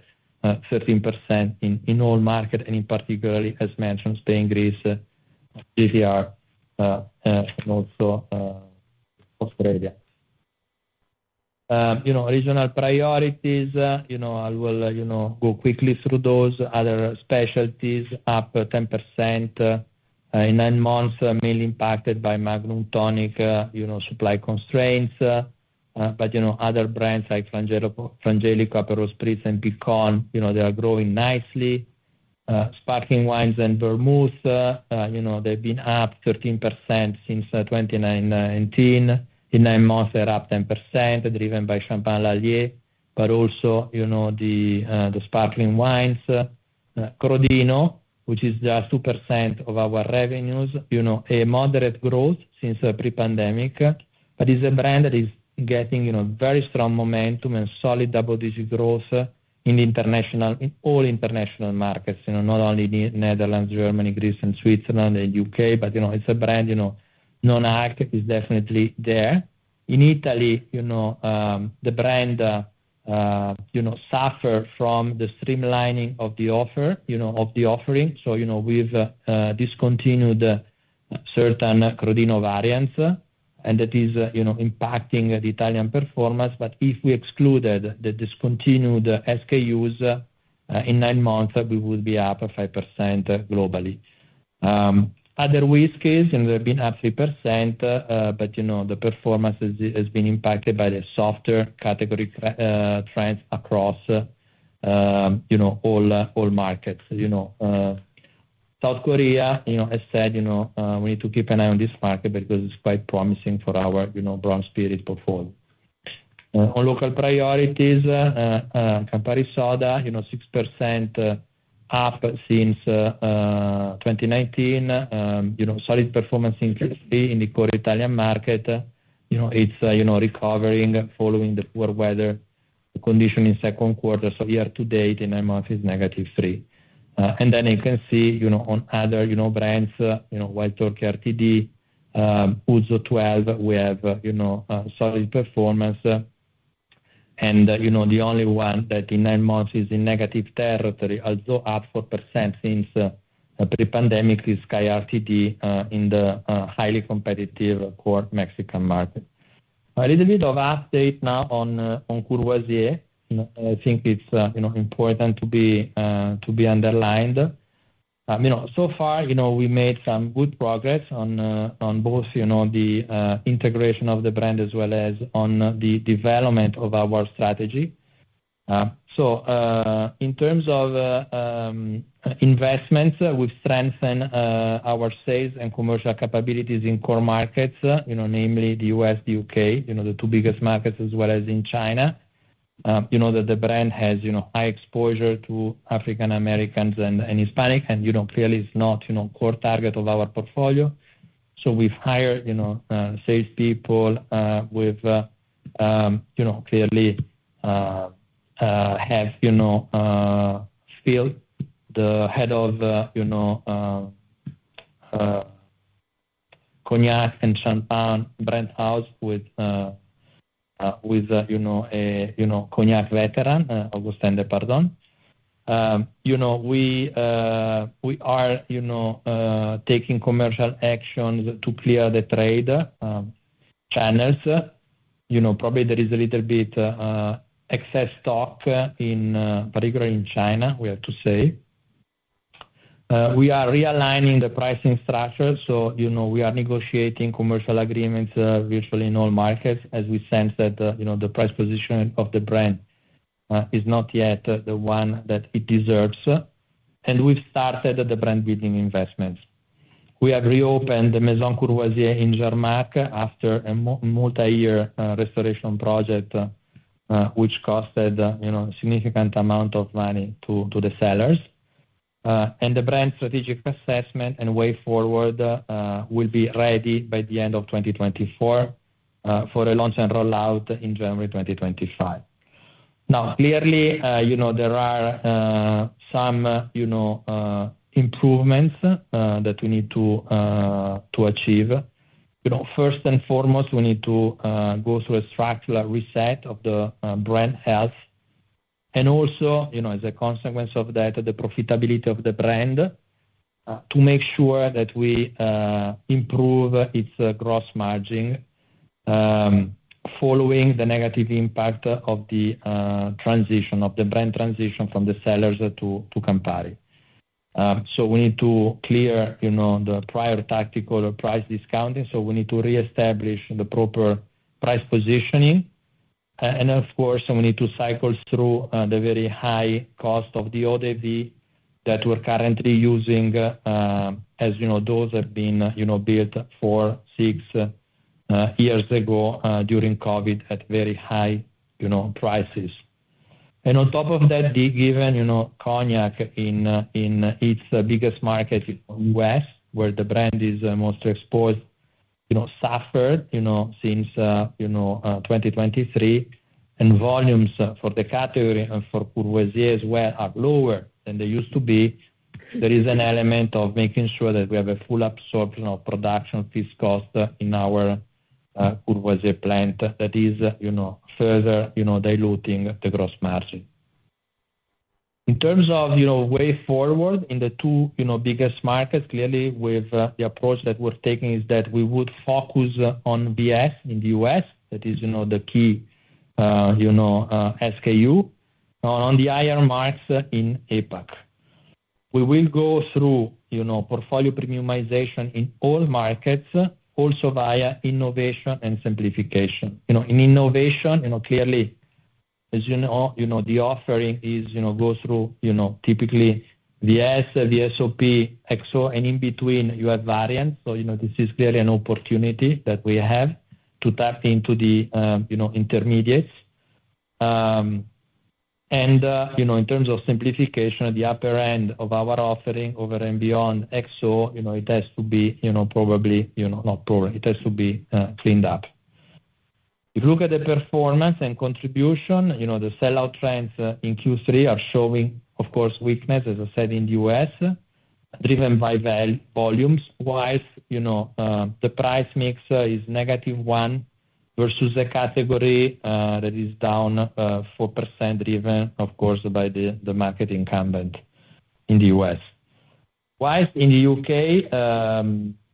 in all markets and in particularly, as mentioned, Spain, Greece, GTR, and also Australia. Regional priorities, I will go quickly through those. Other specialties up 10% in nine-months, mainly impacted by Magnum Tonic supply constraints. But other brands like Frangelico, Aperol Spritz, and Picon, they are growing nicely. Sparkling wines and vermouths, they've been up 13% since 2019. In nine-months, they're up 10%, driven by Champagne Lallier, but also the sparkling wines. Crodino, which is just 2% of our revenues, a moderate growth since pre-pandemic. But it's a brand that is getting very strong momentum and solid double-digit growth in all international markets, not only in the Netherlands, Germany, Greece, and Switzerland, and U.K., but it's a brand known architecture is definitely there. In Italy, the brand suffered from the streamlining of the offering, so we've discontinued certain Crodino variants, and that is impacting the Italian performance, but if we excluded the discontinued SKUs in nine-months, we would be up 5% globally. Other whiskeys, and they've been up 3%, but the performance has been impacted by the softer category trends across all markets. South Korea, as said, we need to keep an eye on this market because it's quite promising for our brown spirits portfolio. On local priorities, Campari Soda, 6% up since 2019, solid performance in Q3 in the core Italian market. It's recovering following the poor weather condition in second quarter, so year to date, in nine-months, it's negative 3%, and then you can see on other brands, Wild Turkey, RTD, Ouzo 12, we have solid performance. And the only one that in nine-months is in negative territory, although up 4% since pre-pandemic, is SKYY RTD in the highly competitive core Mexican market. A little bit of update now on Courvoisier. I think it's important to be underlined. So far, we made some good progress on both the integration of the brand as well as on the development of our strategy. So in terms of investments, we've strengthened our sales and commercial capabilities in core markets, namely the U.S., the U.K., the two biggest markets, as well as in China. The brand has high exposure to African Americans and Hispanic, and clearly, it's not core target of our portfolio. So we've hired salespeople. We have clearly filled the head of Cognac and Champagne brand house with a Cognac veteran, Augustin Depardon. We are taking commercial actions to clear the trade channels. Probably there is a little bit excess stock, particularly in China, we have to say. We are realigning the pricing structure. So we are negotiating commercial agreements virtually in all markets as we sense that the price position of the brand is not yet the one that it deserves. And we've started the brand building investments. We have reopened the Maison Courvoisier in Jarnac after a multi-year restoration project, which cost a significant amount of money to the sellers. And the brand strategic assessment and way forward will be ready by the end of 2024 for a launch and rollout in January 2025. Now, clearly, there are some improvements that we need to achieve. First and foremost, we need to go through a structural reset of the brand health. And also, as a consequence of that, the profitability of the brand to make sure that we improve its gross margin following the negative impact of the transition of the brand transition from the sellers to Campari. So we need to clear the prior tactical price discounting. So we need to reestablish the proper price positioning. And of course, we need to cycle through the very high cost of the eaux-de-vie that we're currently using, as those have been built four, six years ago during COVID at very high prices. And on top of that, given Cognac in its biggest market, U.S., where the brand is most exposed, suffered since 2023. And volumes for the category and for Courvoisier as well are lower than they used to be. There is an element of making sure that we have a full absorption of production fixed cost in our Courvoisier plant that is further diluting the gross margin. In terms of way forward in the two biggest markets, clearly, with the approach that we're taking is that we would focus on VS in the U.S., that is the key SKU, on the higher marks in APAC. We will go through portfolio premiumization in all markets, also via innovation and simplification. In innovation, clearly, as you know, the offering goes through typically VS, VSOP, XO, and in between, you have variants. So this is clearly an opportunity that we have to tap into the intermediates. And in terms of simplification, the upper end of our offering over and beyond XO, it has to be cleaned up. If you look at the performance and contribution, the sellout trends in Q3 are showing, of course, weakness, as I said, in the U.S., driven by volumes. While the price mix is negative one versus a category that is down 4%, driven, of course, by the market incumbent in the U.S. While in the U.K.,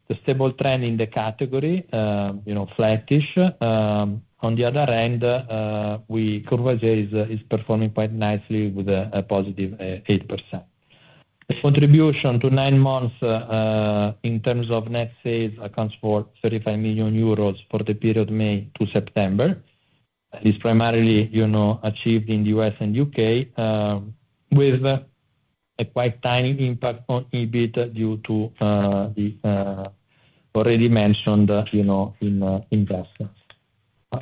the stable trend in the category, flattish. On the other end, Courvoisier is performing quite nicely with a positive 8%. The contribution to nine-months in terms of net sales accounts for 35 million euros for the period May to September. It's primarily achieved in the U.S. and U.K. with a quite tiny impact on EBIT due to the already mentioned investments.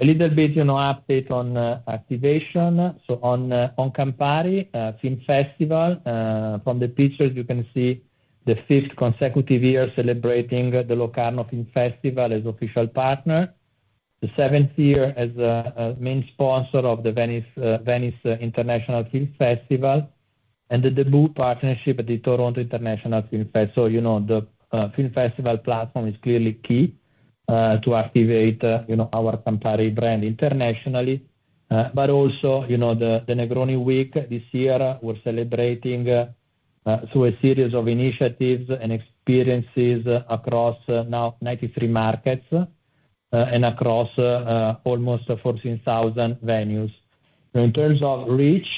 A little bit update on activation. So on Campari, film festival, from the pictures, you can see the fifth consecutive year celebrating the Locarno Film Festival as official partner, the seventh year as a main sponsor of the Venice International Film Festival, and the debut partnership at the Toronto International Film Festival. So the film festival platform is clearly key to activate our Campari brand internationally. But also the Negroni Week this year, we're celebrating through a series of initiatives and experiences across now 93 markets and across almost 14,000 venues. In terms of reach,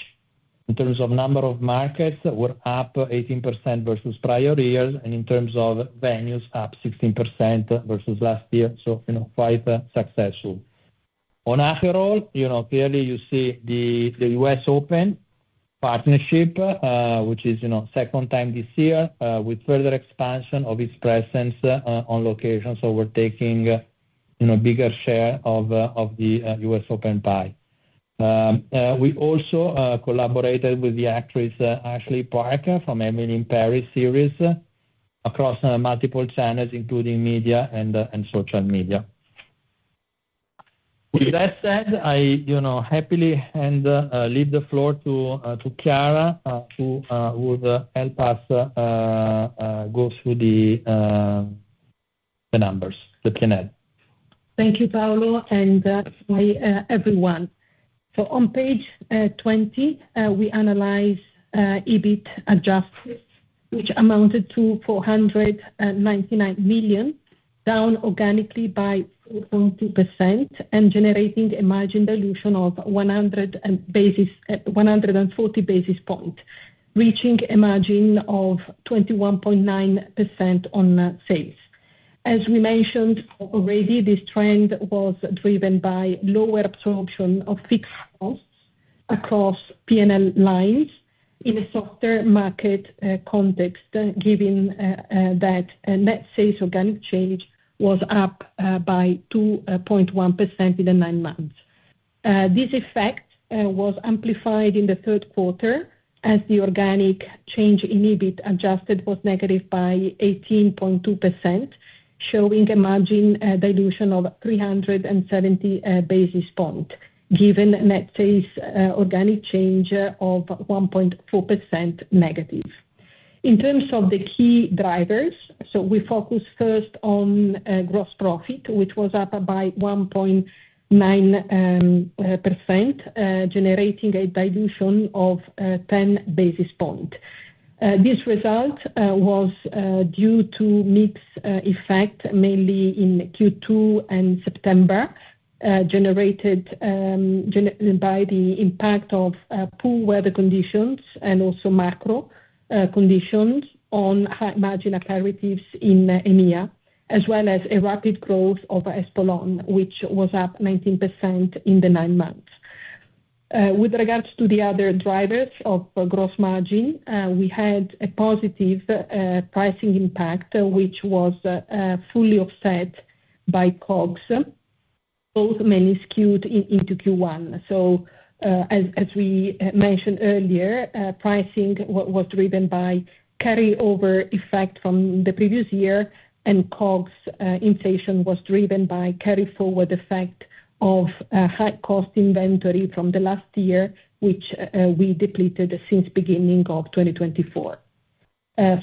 in terms of number of markets, we're up 18% versus prior years. And in terms of venues, up 16% versus last year. So quite successful. On Aperol, clearly, you see the U.S. Open partnership, which is second time this year with further expansion of its presence on location. So we're taking a bigger share of the U.S. Open pie. We also collaborated with the actress Ashley Park from Emily in Paris series across multiple channels, including media and social media. With that said, I happily hand the floor to Chiara, who will help us go through the numbers, the PNL. Thank you, Paolo, and hi everyone. On page 20, we analyze EBIT adjustments, which amounted to 499 million, down organically by 4.2% and generating a margin dilution of 140 basis points, reaching a margin of 21.9% on sales. As we mentioned already, this trend was driven by lower absorption of fixed costs across PNL lines in a softer market context, given that net sales organic change was up by 2.1% in the nine-months. This effect was amplified in the third quarter as the organic change in EBIT adjusted was negative by 18.2%, showing a margin dilution of 370 basis points, given net sales organic change of -1.4%. In terms of the key drivers, so we focus first on gross profit, which was up by 1.9%, generating a dilution of 10 basis points. This result was due to mix effect, mainly in Q2 and September, generated by the impact of poor weather conditions and also macro conditions on margin apparatuses in EMEA, as well as a rapid growth of Espolòn, which was up 19% in the nine-months. With regards to the other drivers of gross margin, we had a positive pricing impact, which was fully offset by COGS, both incurred into Q1. So as we mentioned earlier, pricing was driven by carryover effect from the previous year, and COGS inflation was driven by carryforward effect of high-cost inventory from the last year, which we depleted since beginning of 2024.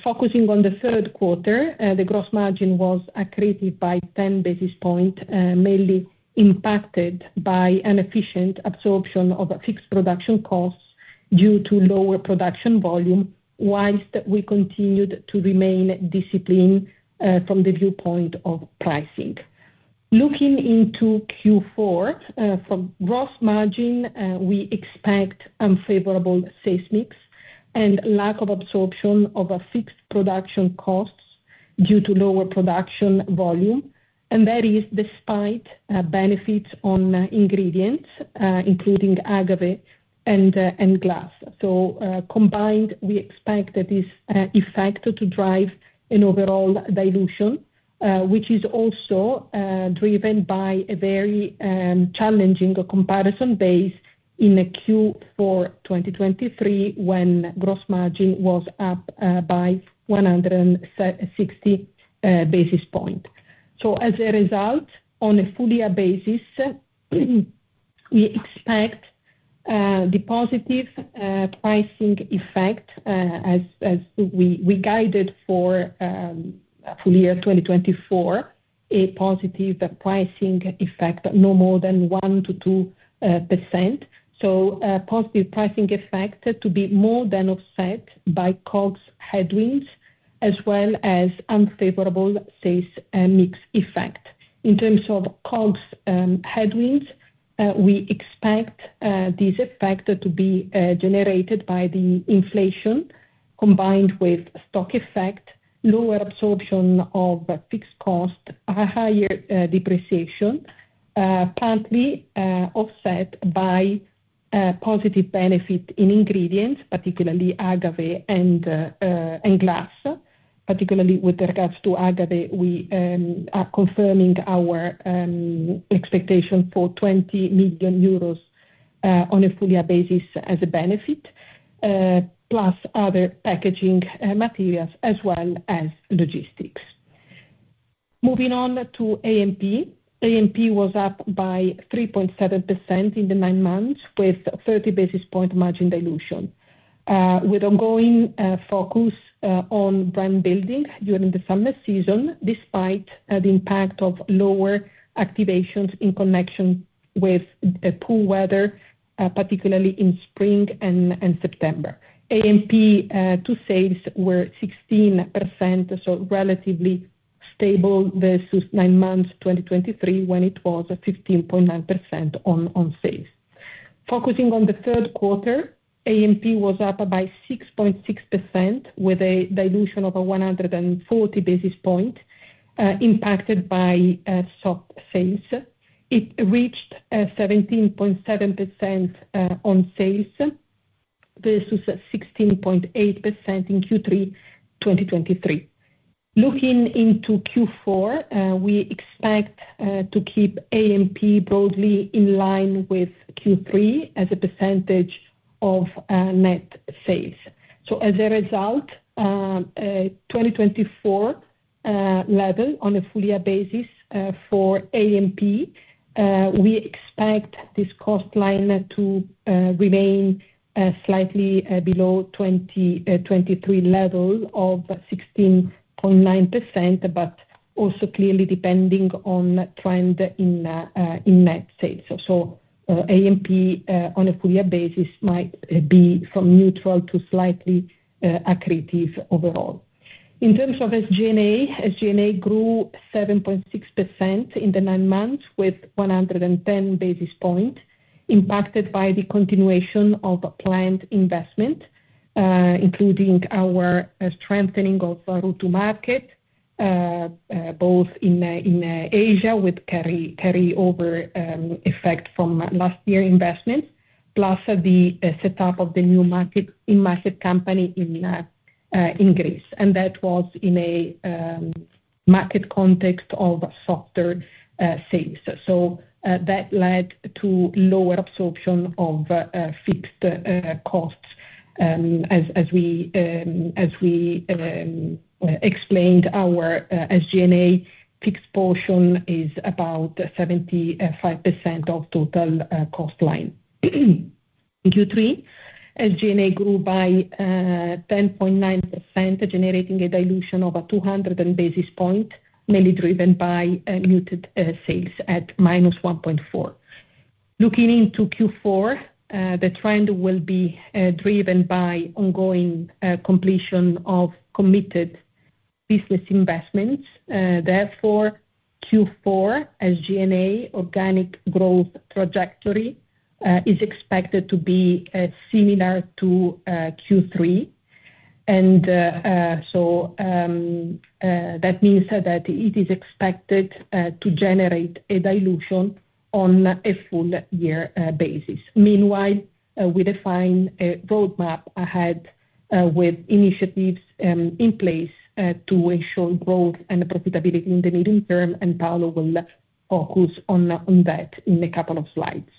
Focusing on the third quarter, the gross margin was accretive by 10 basis points, mainly impacted by inefficient absorption of fixed production costs due to lower production volume, whilst we continued to remain disciplined from the viewpoint of pricing. Looking into Q4, from gross margin, we expect unfavorable sales mix and lack of absorption of fixed production costs due to lower production volume, and that is despite benefits on ingredients, including agave and glass. So combined, we expect that this effect to drive an overall dilution, which is also driven by a very challenging comparison base in Q4 2023 when gross margin was up by 160 basis points. As a result, on a full-year basis, we expect the positive pricing effect as we guided for full year 2024, a positive pricing effect no more than 1%-2%. Positive pricing effect to be more than offset by COGS headwinds, as well as unfavorable sales mix effect. In terms of COGS headwinds, we expect this effect to be generated by the inflation combined with stock effect, lower absorption of fixed cost, higher depreciation, partly offset by positive benefit in ingredients, particularly Agave and glass. Particularly with regards to Agave, we are confirming our expectation for 20 million euros on a full-year basis as a benefit, plus other packaging materials as well as logistics. Moving on to A&P, A&P was up by 3.7% in the nine-months with 30 basis point margin dilution, with ongoing focus on brand building during the summer season, despite the impact of lower activations in connection with poor weather, particularly in spring and September. A&P to sales were 16%, so relatively stable versus nine-months 2023 when it was 15.9% on sales. Focusing on the third quarter, A&P was up by 6.6% with a dilution of 140 basis points, impacted by soft sales. It reached 17.7% on sales versus 16.8% in Q3 2023. Looking into Q4, we expect to keep A&P broadly in line with Q3 as a percentage of net sales. So as a result, 2024 level on a full-year basis for A&P, we expect this cost line to remain slightly below 2023 level of 16.9%, but also clearly depending on trend in net sales. A&P on a full-year basis might be from neutral to slightly accretive overall. In terms of SG&A, SG&A grew 7.6% in the nine-months with 110 basis points, impacted by the continuation of planned investment, including our strengthening of route to market, both in Asia with carryover effect from last year's investments, plus the setup of the new in-market company in Greece. That was in a market context of softer sales. That led to lower absorption of fixed costs. As we explained, our SG&A fixed portion is about 75% of total cost line. In Q3, SG&A grew by 10.9%, generating a dilution of 200 basis points, mainly driven by muted sales at -1.4. Looking into Q4, the trend will be driven by ongoing completion of committed business investments. Therefore, Q4 SG&A organic growth trajectory is expected to be similar to Q3. And so that means that it is expected to generate a dilution on a full-year basis. Meanwhile, we define a roadmap ahead with initiatives in place to ensure growth and profitability in the medium term, and Paolo will focus on that in a couple of slides.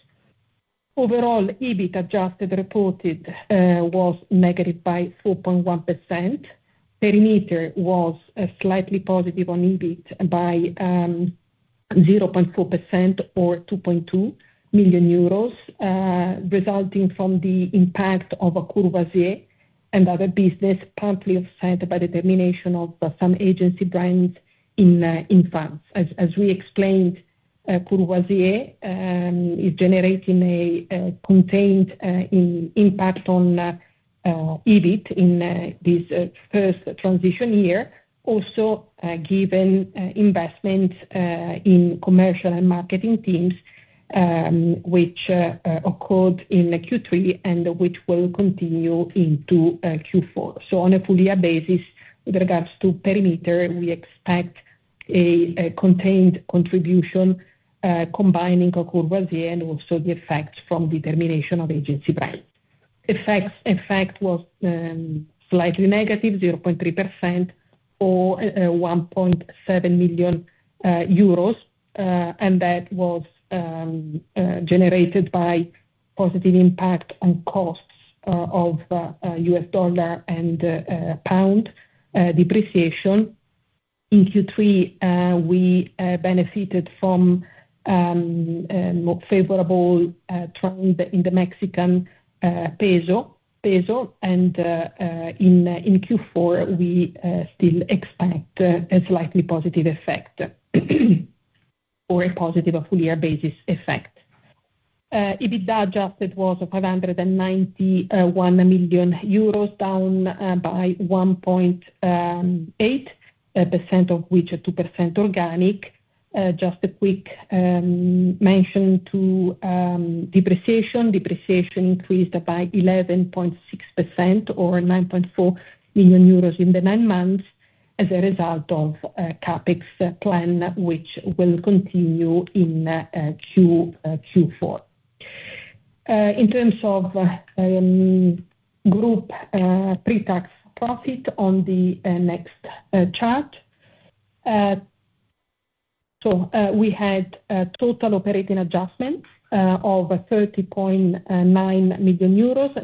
Overall, EBIT adjusted reported was negative by 4.1%. Perimeter was slightly positive on EBIT by 0.4% or 2.2 million euros, resulting from the impact of Courvoisier and other business, partly offset by the termination of some agency brands in France. As we explained, Courvoisier is generating a contained impact on EBIT in this first transition year, also given investment in commercial and marketing teams, which occurred in Q3 and which will continue into Q4. So on a full-year basis, with regards to perimeter, we expect a contained contribution combining Courvoisier and also the effects from the termination of agency brands. Effect was slightly -0.3% or 1.7 million euros, and that was generated by positive impact on costs of U.S. dollar and pound depreciation. In Q3, we benefited from favorable trend in the Mexican peso, and in Q4, we still expect a slightly positive effect or a positive full-year basis effect. EBIT adjusted was 591 million euros, down by 1.8%, of which 2% organic. Just a quick mention to depreciation. Depreciation increased by 11.6% or 9.4 million euros in the nine-months as a result of CapEx plan, which will continue in Q4. In terms of group pre-tax profit on the next chart, so we had total operating adjustment of -30.9 million euros,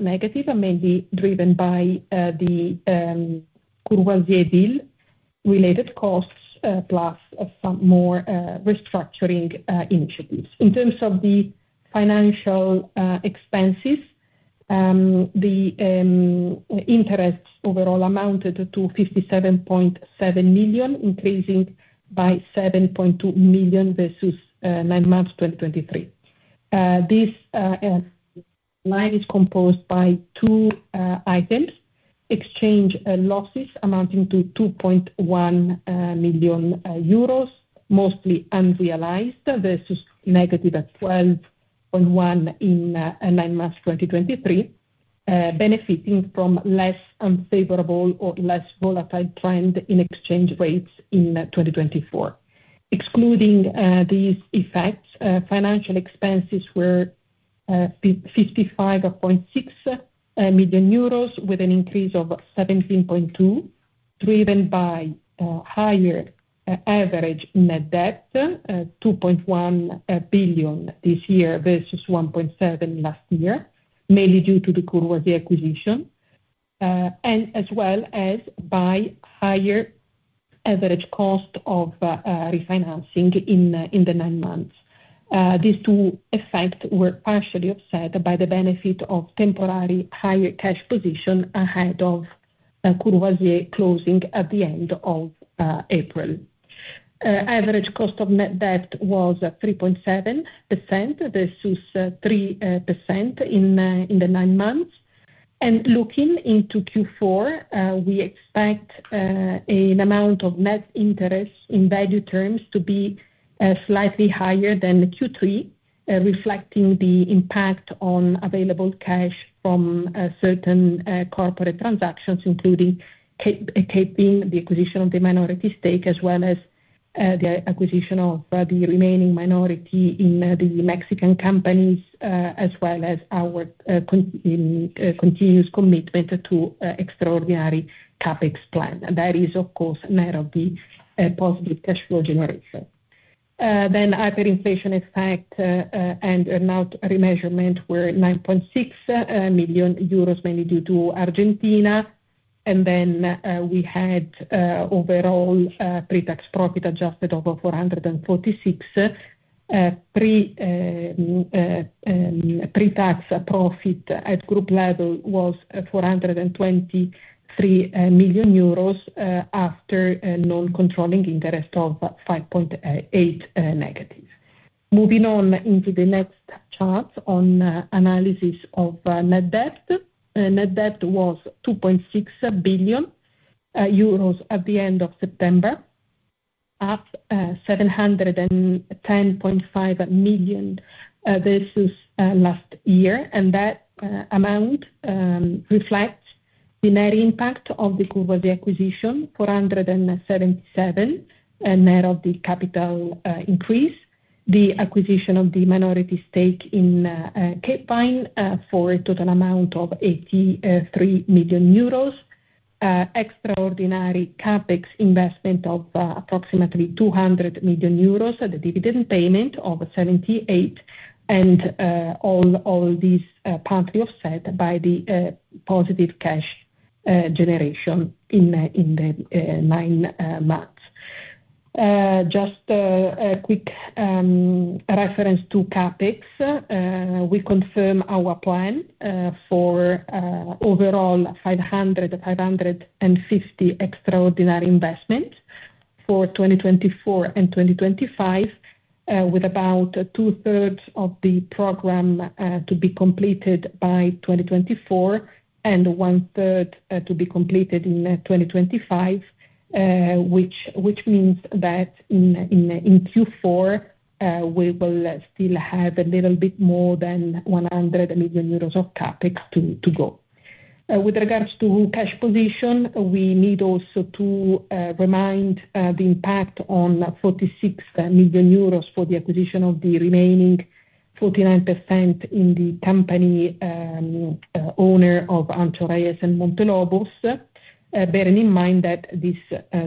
mainly driven by the Courvoisier deal-related costs, plus some more restructuring initiatives. In terms of the financial expenses, the interest overall amounted to 57.7 million, increasing by 7.2 million versus nine-months 2023. This line is composed by two items: exchange losses amounting to 2.1 million euros, mostly unrealized versus negative at 12.1 in nine-months 2023, benefiting from less unfavorable or less volatile trend in exchange rates in 2024. Excluding these effects, financial expenses were 55.6 million euros with an increase of 17.2%, driven by higher average net debt, 2.1 billion this year versus 1.7 billion last year, mainly due to the Courvoisier acquisition, and as well as by higher average cost of refinancing in the nine-months. These two effects were partially offset by the benefit of temporary higher cash position ahead of Courvoisier closing at the end of April. Average cost of net debt was 3.7% versus 3% in the nine-months. Looking into Q4, we expect an amount of net interest in value terms to be slightly higher than Q3, reflecting the impact on available cash from certain corporate transactions, including closing the acquisition of the minority stake, as well as the acquisition of the remaining minority in the Mexican companies, as well as our continuous commitment to extraordinary CapEx plan. That is, of course, a narrow but positive cash flow generation. The hyperinflation effect and earn-out remeasurement were 9.6 million euros, mainly due to Argentina. We had overall pre-tax profit adjusted over 446. Pre-tax profit at group level was 423 million euros after non-controlling interest of -5.8. Moving on into the next chart on analysis of net debt. Net debt was 2.6 billion euros at the end of September, up 710.5 million versus last year. And that amount reflects the net impact of the Courvoisier acquisition, 477, a narrow capital increase. The acquisition of the minority stake in Capevin for a total amount of 83 million euros, extraordinary CapEx investment of approximately 200 million euros, the dividend payment of 78, and all these partly offset by the positive cash generation in the nine-months. Just a quick reference to CapEx, we confirm our plan for overall 500-550 extraordinary investment for 2024 and 2025, with about 2/3 of the program to be completed by 2024 and 1/3 to be completed in 2025, which means that in Q4, we will still have a little bit more than 100 million euros of CapEx to go. With regards to cash position, we need also to remind the impact on 46 million euros for the acquisition of the remaining 49% in the company owner of Ancho Reyes and Montelobos, bearing in mind that this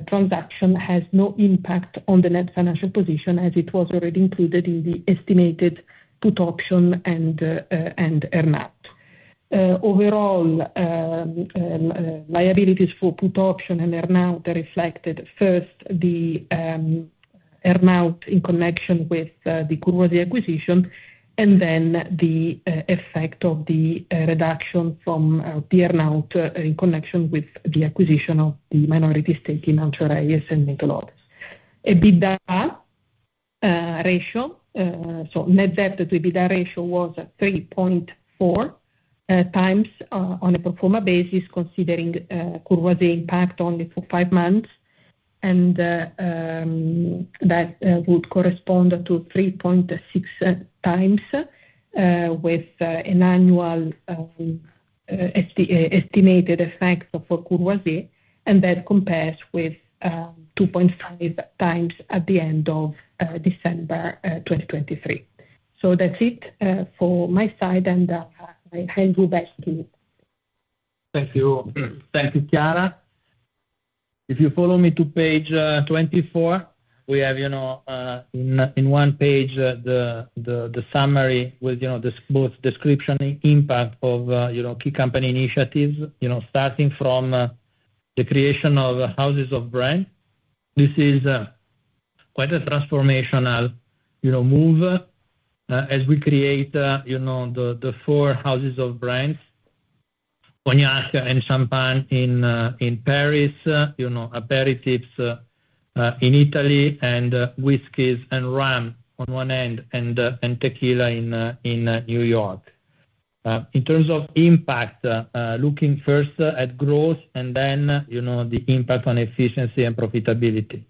transaction has no impact on the net financial position, as it was already included in the estimated put option and earn-out. Overall, liabilities for put option and earn-out reflected first the earn-out in connection with the Courvoisier acquisition, and then the effect of the reduction from the earn-out in connection with the acquisition of the minority stake in Ancho Reyes and Montelobos. EBITDA ratio, so net debt to EBITDA ratio was 3.4x on a pro forma basis, considering Courvoisier impact only for five months, and that would correspond to 3.6x with an annual estimated effect for Courvoisier, and that compares with 2.5x at the end of December 2023. So that's it for my side, and I hand you back to you. Thank you. Thank you, Chiara. If you follow me to page 24, we have in one page the summary with both description and impact of key company initiatives, starting from the creation of houses of brands. This is quite a transformational move as we create the four houses of brands: Cognac and Champagne in Paris, Aperitifs in Italy, and whiskeys and rum on one end, and tequila in New York. In terms of impact, looking first at growth and then the impact on efficiency and profitability.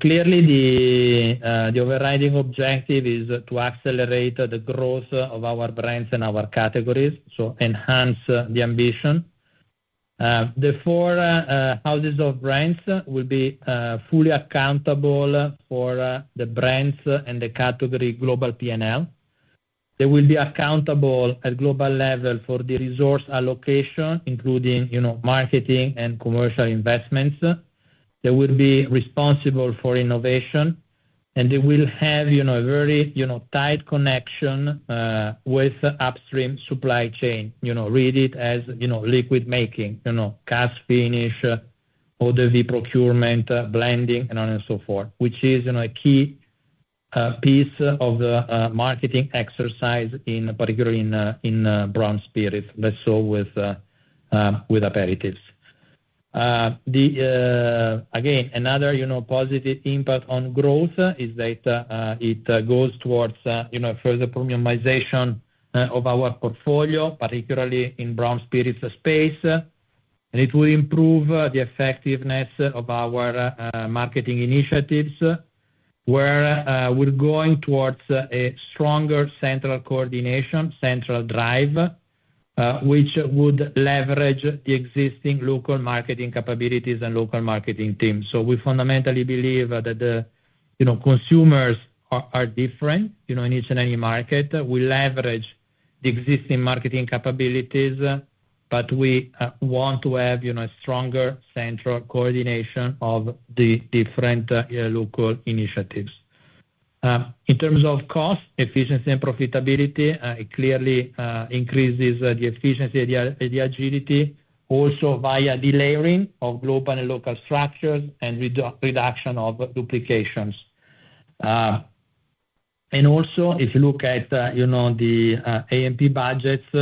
Clearly, the overriding objective is to accelerate the growth of our brands and our categories, so enhance the ambition. The four houses of brands will be fully accountable for the brands and the category global P&L. They will be accountable at global level for the resource allocation, including marketing and commercial investments. They will be responsible for innovation, and they will have a very tight connection with upstream supply chain. Read it as liquid making, cask finish, eaux-de-vie procurement, blending, and so forth, which is a key piece of the marketing exercise, particularly in brown spirits, less so with Aperitifs. Again, another positive impact on growth is that it goes towards further premiumization of our portfolio, particularly in brown spirits space, and it will improve the effectiveness of our marketing initiatives, where we're going towards a stronger central coordination, central drive, which would leverage the existing local marketing capabilities and local marketing teams. So we fundamentally believe that consumers are different in each and any market. We leverage the existing marketing capabilities, but we want to have a stronger central coordination of the different local initiatives. In terms of cost, efficiency, and profitability, it clearly increases the efficiency and the agility, also via leveraging of global and local structures and reduction of duplications, and also, if you look at the A&P budgets, we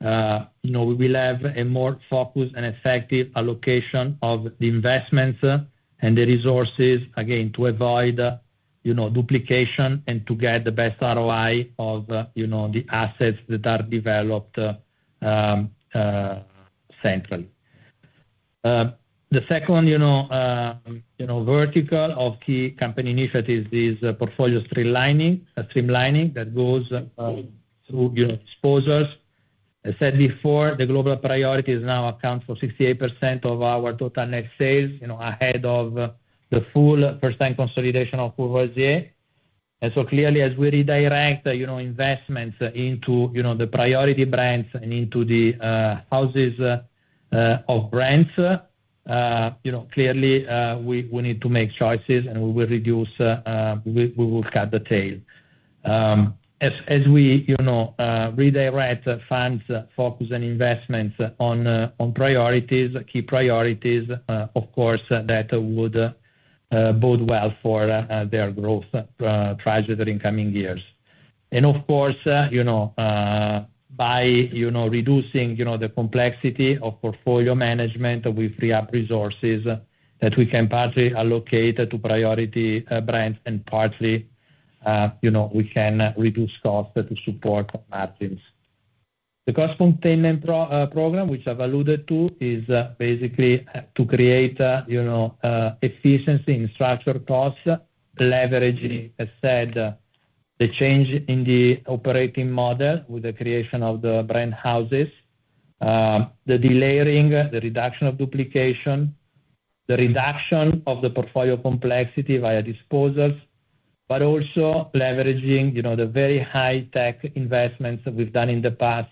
will have a more focused and effective allocation of the investments and the resources, again, to avoid duplication and to get the best ROI of the assets that are developed centrally. The second vertical of key company initiatives is portfolio streamlining that goes through disposals. As I said before, the global priorities now account for 68% of our total net sales ahead of the full first-time consolidation of Courvoisier, and so clearly, as we redirect investments into the priority brands and into the houses of brands, clearly, we need to make choices, and we will reduce, we will cut the tail. As we redirect funds, focus, and investments on key priorities, of course, that would bode well for their growth trajectory in coming years, and of course, by reducing the complexity of portfolio management, we free up resources that we can partly allocate to priority brands, and partly, we can reduce costs to support margins. The cost containment program, which I've alluded to, is basically to create efficiency in structural costs, leveraging, as I said, the change in the operating model with the creation of the brand houses, the delayering, the reduction of duplication, the reduction of the portfolio complexity via disposals, but also leveraging the very high-tech investments we've done in the past,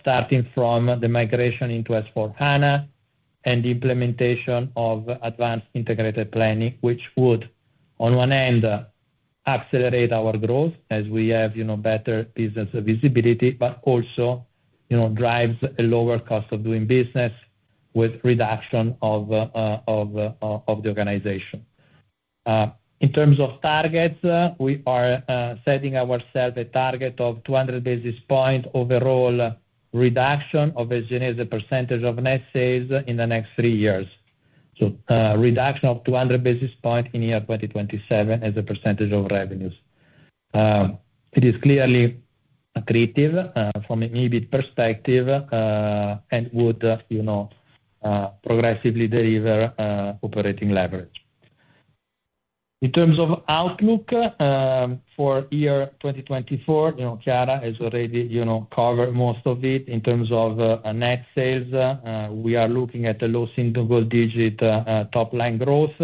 starting from the migration into S/4HANA and the implementation of advanced integrated planning, which would, on one hand, accelerate our growth as we have better business visibility, but also drives a lower cost of doing business with reduction of the organization. In terms of targets, we are setting ourselves a target of 200 basis points overall reduction of SG&A as a percentage of net sales in the next three years. So reduction of 200 basis points in the year 2027 as a percentage of revenues. It is clearly accretive from an EBIT perspective and would progressively deliver operating leverage. In terms of outlook for year 2024, Chiara has already covered most of it. In terms of net sales, we are looking at a low single-digit top-line growth.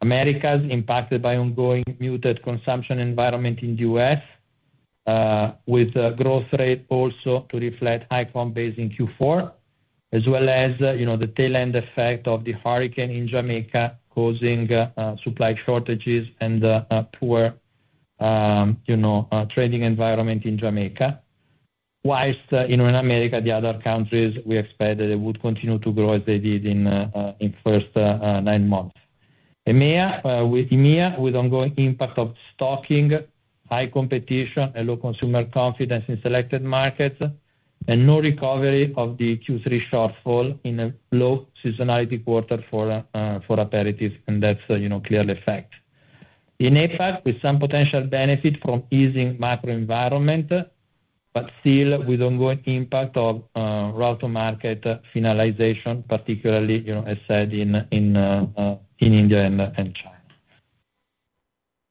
Americas is impacted by ongoing muted consumption environment in the U.S., with growth rate also to reflect high comp base in Q4, as well as the tail-end effect of the hurricane in Jamaica causing supply shortages and poor trading environment in Jamaica. While in Americas, the other countries, we expect that it would continue to grow as they did in the first nine-months. EMEA with ongoing impact of stocking, high competition, and low consumer confidence in selected markets, and no recovery of the Q3 shortfall in a low seasonality quarter for Aperitifs, and that's a clear effect. In APAC, with some potential benefit from easing macro environment, but still with ongoing impact of route to market finalization, particularly, as I said, in India and China.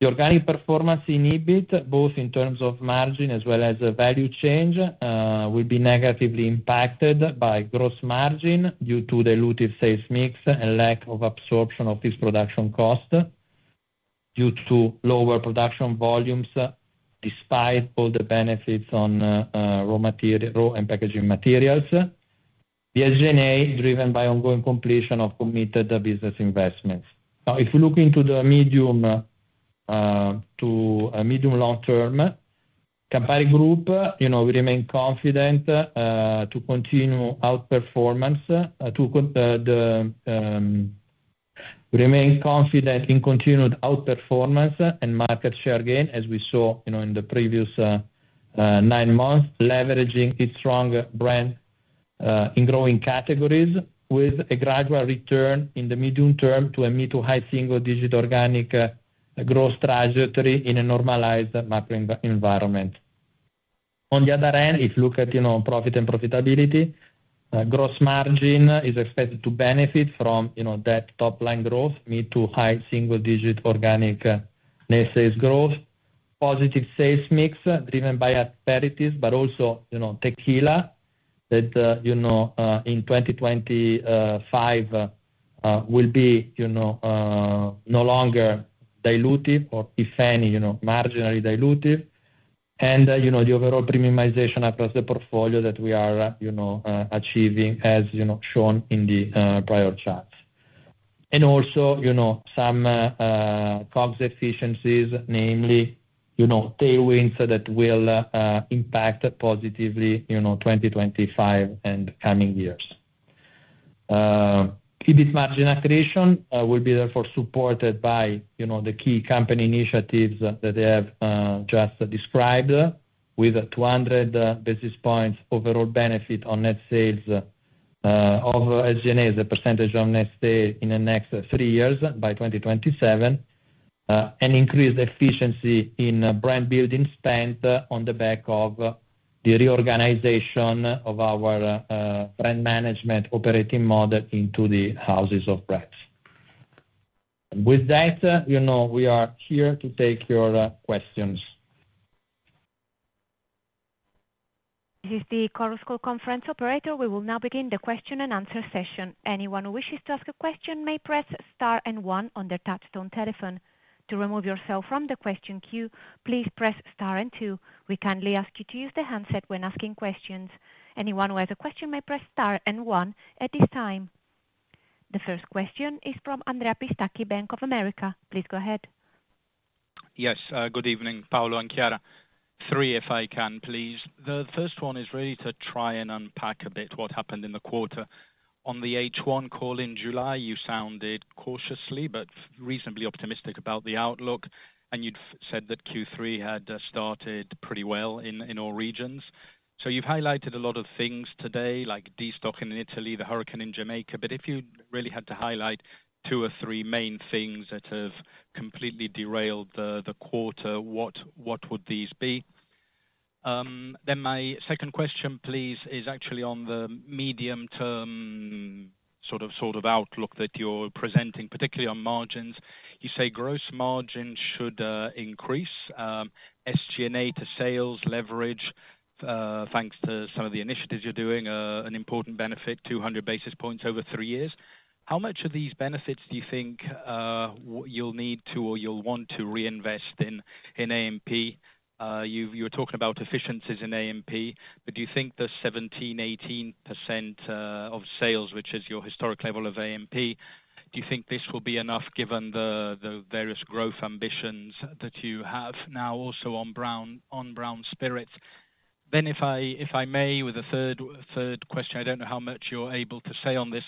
The organic performance in EBIT, both in terms of margin as well as value change, will be negatively impacted by gross margin due to diluted sales mix and lack of absorption of this production cost due to lower production volumes despite all the benefits on raw and packaging materials. The SG&A driven by ongoing completion of committed business investments. Now, if we look into the medium to medium-long term, Campari Group, we remain confident to continue outperformance, to remain confident in continued outperformance and market share gain as we saw in the previous nine-months, leveraging its strong brand in growing categories with a gradual return in the medium term to a mid to high single-digit organic growth trajectory in a normalized macro environment. On the other hand, if you look at profit and profitability, gross margin is expected to benefit from that top-line growth, mid to high single-digit organic net sales growth, positive sales mix driven by Aperitifs, but also tequila that in 2025 will be no longer diluted or, if any, marginally diluted, and the overall premiumization across the portfolio that we are achieving as shown in the prior charts, and also some cost efficiencies, namely tailwinds that will impact positively 2025 and coming years. EBIT margin accretion will be therefore supported by the key company initiatives that they have just described with 200 basis points overall benefit on net sales of SG&A as a percentage on net sale in the next three years by 2027, and increased efficiency in brand building spend on the back of the reorganization of our brand management operating model into the houses of brands. With that, we are here to take your questions. This is the conference operator. We will now begin the question and answer session. Anyone who wishes to ask a question may press star and one on their touch-tone telephone. To remove yourself from the question queue, please press star and two. We kindly ask you to use the handset when asking questions. Anyone who has a question may press star and one at this time. The first question is from Andrea Pistacchi, Bank of America. Please go ahead. Yes. Good evening, Paolo and Chiara. Three, if I can, please. The first one is really to try and unpack a bit what happened in the quarter. On the H1 call in July, you sounded cautiously but reasonably optimistic about the outlook, and you'd said that Q3 had started pretty well in all regions. So you've highlighted a lot of things today, like destocking in Italy, the hurricane in Jamaica, but if you really had to highlight two or three main things that have completely derailed the quarter, what would these be? Then my second question, please, is actually on the medium-term sort of outlook that you're presenting, particularly on margins. You say gross margin should increase, SG&A to sales leverage, thanks to some of the initiatives you're doing, an important benefit, 200 basis points over three years. How much of these benefits do you think you'll need to or you'll want to reinvest in A&P? You were talking about efficiencies in A&P, but do you think the 17%-18% of sales, which is your historic level of A&P, do you think this will be enough given the various growth ambitions that you have now also on brown spirits? Then, if I may, with a third question, I don't know how much you're able to say on this,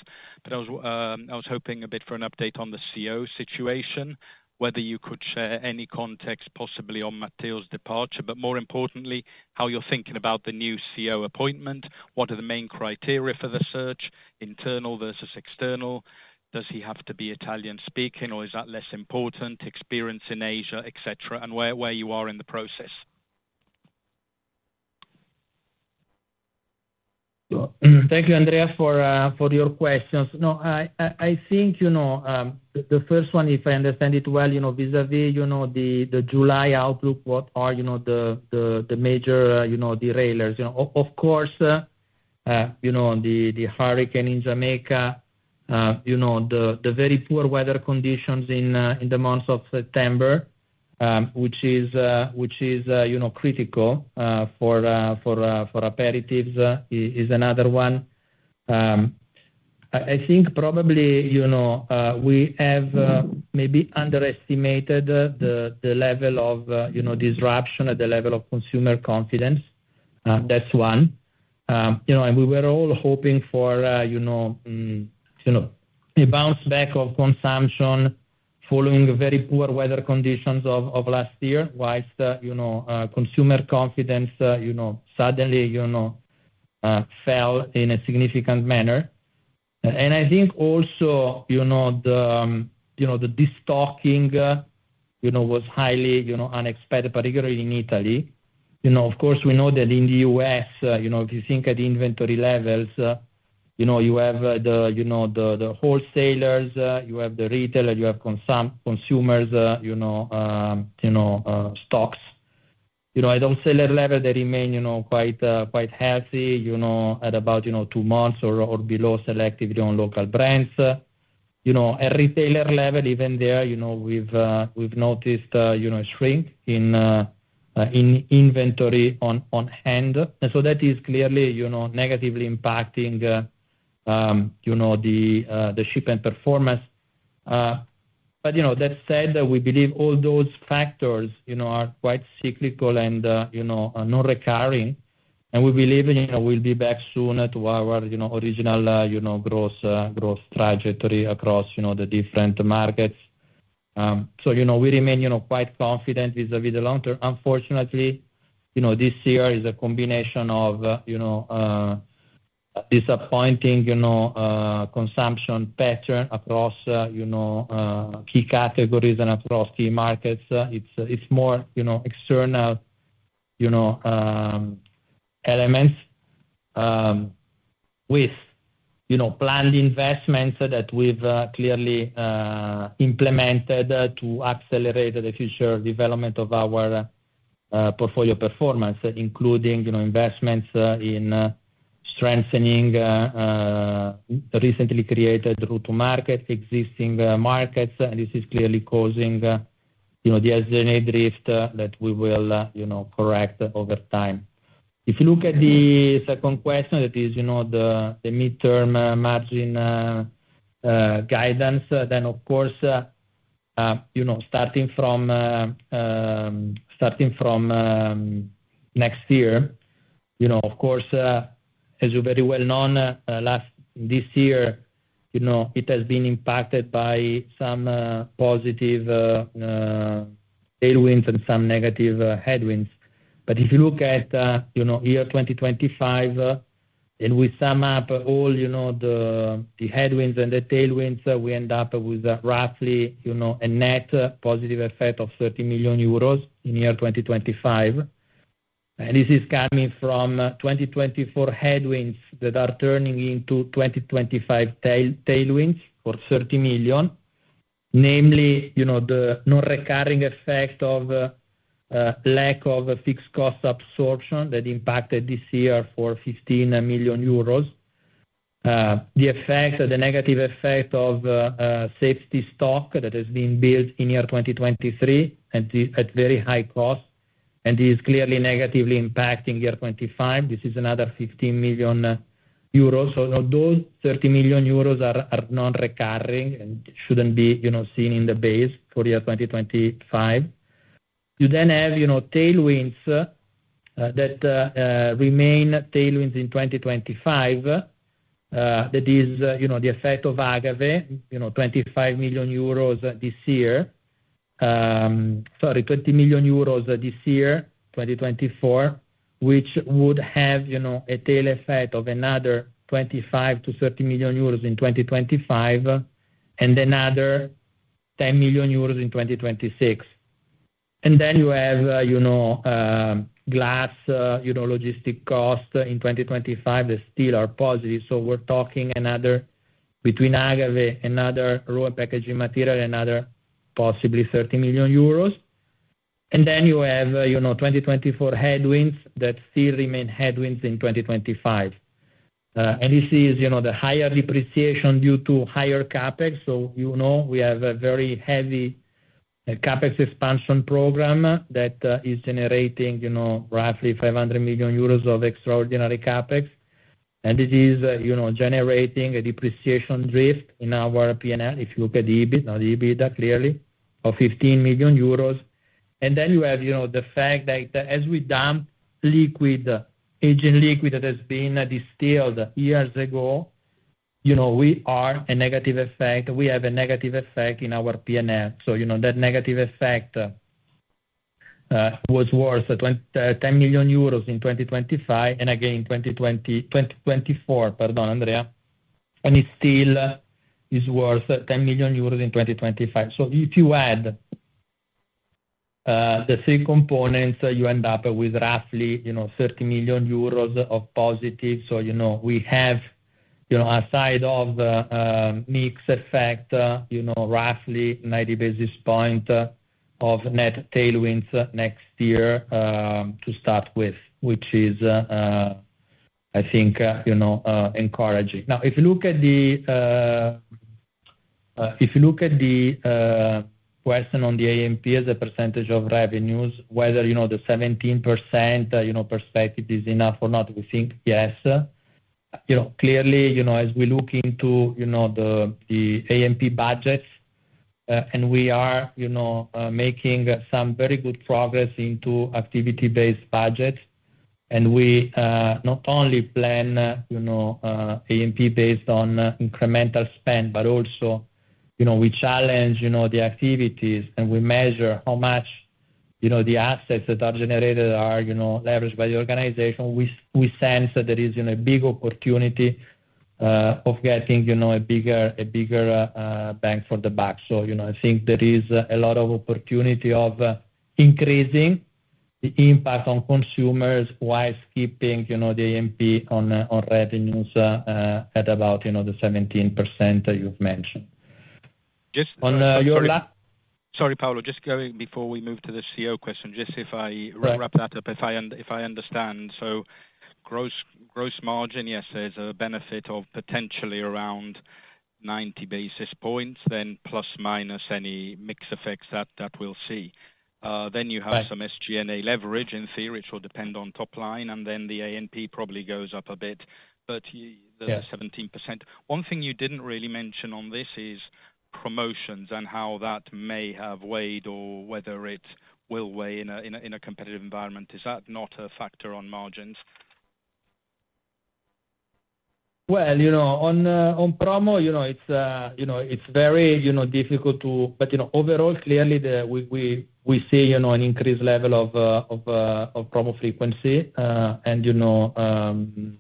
but I was hoping a bit for an update on the CEO situation, whether you could share any context possibly on Matteo's departure, but more importantly, how you're thinking about the new CEO appointment, what are the main criteria for the search, internal versus external? Does he have to be Italian-speaking, or is that less important, experience in Asia, etc., and where you are in the process? Thank you, Andrea, for your questions. No, I think the first one, if I understand it well, vis-à-vis the July outlook, what are the major derailers? Of course, the hurricane in Jamaica, the very poor weather conditions in the months of September, which is critical for Aperitifs, is another one. I think probably we have maybe underestimated the level of disruption at the level of consumer confidence. That's one, and we were all hoping for a bounce back of consumption following very poor weather conditions of last year, whilst consumer confidence suddenly fell in a significant manner, and I think also the destocking was highly unexpected, particularly in Italy. Of course, we know that in the U.S., if you think at inventory levels, you have the wholesalers, you have the retailer, you have consumers' stocks. At wholesaler level, they remain quite healthy at about two months or below, selectively on local brands. At retailer level, even there, we've noticed a shrink in inventory on hand, and so that is clearly negatively impacting the shipment performance. But that said, we believe all those factors are quite cyclical and non-recurring, and we believe we'll be back soon to our original growth trajectory across the different markets. So we remain quite confident vis-à-vis the long term. Unfortunately, this year is a combination of disappointing consumption pattern across key categories and across key markets. It's more external elements with planned investments that we've clearly implemented to accelerate the future development of our portfolio performance, including investments in strengthening the recently created route to market, existing markets, and this is clearly causing the SG&A drift that we will correct over time. If you look at the second question, that is the midterm margin guidance, then of course, starting from next year, of course, as you're very well known, this year, it has been impacted by some positive tailwinds and some negative headwinds. But if you look at year 2025, and we sum up all the headwinds and the tailwinds, we end up with roughly a net positive effect of 30 million euros in year 2025. And this is coming from 2024 headwinds that are turning into 2025 tailwinds for 30 million, namely the non-recurring effect of lack of fixed cost absorption that impacted this year for 15 million euros. The negative effect of safety stock that has been built in year 2023 at very high cost, and this is clearly negatively impacting year 2025. This is another 15 million euros. So those 30 million euros are non-recurring and shouldn't be seen in the base for year 2025. You then have tailwinds that remain tailwinds in 2025. That is the effect of Agave, 25 million euros this year. Sorry, 20 million euros this year, 2024, which would have a tail effect of another 25 million-30 million euros in 2025, and another 10 million euros in 2026. You have glass logistics cost in 2025 that still are positive. We're talking between Agave, another raw packaging material, another possibly 30 million euros. You have 2024 headwinds that still remain headwinds in 2025. This is the higher depreciation due to higher CapEx. We have a very heavy CapEx expansion program that is generating roughly 500 million euros of extraordinary CapEx. This is generating a depreciation drift in our P&L. If you look at EBITDA, clearly, of 15 million euros. You have the fact that as we dump aging liquid that has been distilled years ago, we have a negative effect in our P&L. So that negative effect was worth 10 million euros in 2025, and again in 2024, pardon, Andrea, and it still is worth 10 million euros in 2025. So if you add the three components, you end up with roughly 30 million euros of positive. So we have, aside of the mixed effect, roughly 90 basis points of net tailwinds next year to start with, which is, I think, encouraging. Now, if you look at the question on the A&P as a percentage of revenues, whether the 17% perspective is enough or not, we think yes. Clearly, as we look into the A&P budgets, and we are making some very good progress into activity-based budgets, and we not only plan A&P based on incremental spend, but also we challenge the activities, and we measure how much the assets that are generated are leveraged by the organization. We sense that there is a big opportunity of getting a bigger bang for the buck. So I think there is a lot of opportunity of increasing the impact on consumers while keeping the A&P on revenues at about the 17% you've mentioned. Just on your last. Sorry, Paolo, just going before we move to the Q&A question, just if I wrap that up, if I understand. So gross margin, yes, there's a benefit of potentially around 90 basis points, then plus minus any mixed effects that we'll see. Then you have some SG&A leverage, in theory, which will depend on top line, and then the A&P probably goes up a bit, but the 17%. One thing you didn't really mention on this is promotions and how that may have weighed or whether it will weigh in a competitive environment. Is that not a factor on margins? On promo, it's very difficult to, but overall, clearly, we see an increased level of promo frequency, and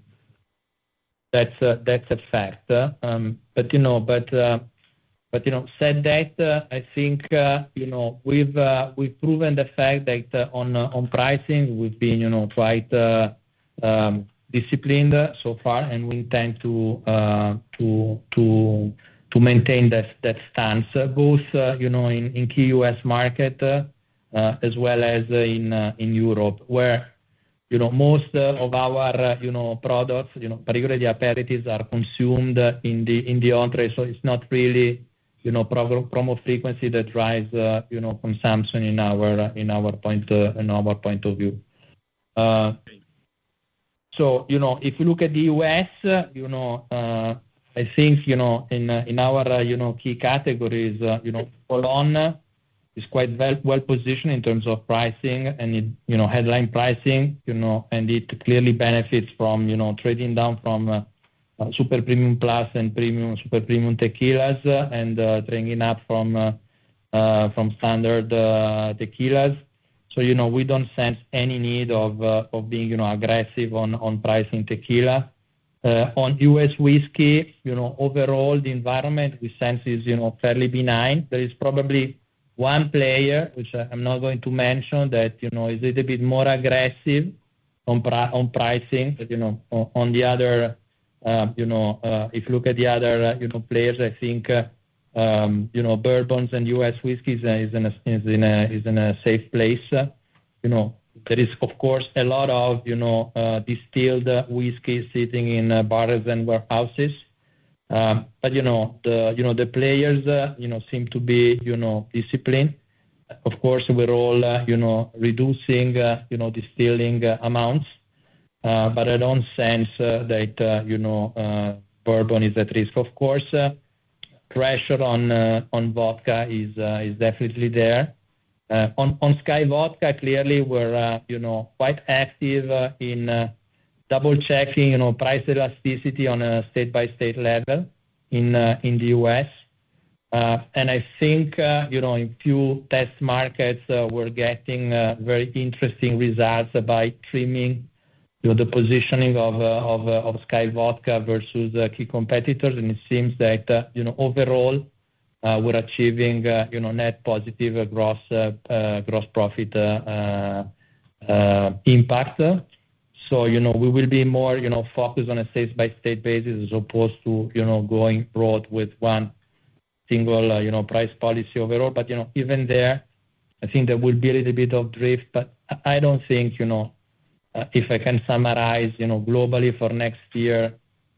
that's a fact. But that said, I think we've proven the fact that on pricing, we've been quite disciplined so far, and we intend to maintain that stance, both in key U.S. markets as well as in Europe, where most of our products, particularly the Aperitifs, are consumed on-premise. So it's not really promo frequency that drives consumption in our point of view. So if you look at the U.S., I think in our key categories, our own is quite well-positioned in terms of pricing and headline pricing, and it clearly benefits from trading down from super premium plus and super premium tequilas and trading up from standard tequilas. So we don't sense any need of being aggressive on pricing tequila. On U.S. whiskey, overall, the environment we sense is fairly benign. There is probably one player, which I'm not going to mention, that is a little bit more aggressive on pricing. But on the other, if you look at the other players, I think bourbons and U.S. whiskey is in a safe place. There is, of course, a lot of distilled whiskey sitting in bars and warehouses. But the players seem to be disciplined. Of course, we're all reducing distilling amounts, but I don't sense that bourbon is at risk. Of course, pressure on vodka is definitely there. On SKYY Vodka, clearly, we're quite active in double-checking price elasticity on a state-by-state level in the U.S. And I think in few test markets, we're getting very interesting results by trimming the positioning of SKYY Vodka versus key competitors. And it seems that overall, we're achieving net positive gross profit impact. So we will be more focused on a state-by-state basis as opposed to going broad with one single price policy overall. But even there, I think there will be a little bit of drift. But I don't think, if I can summarize globally for next year,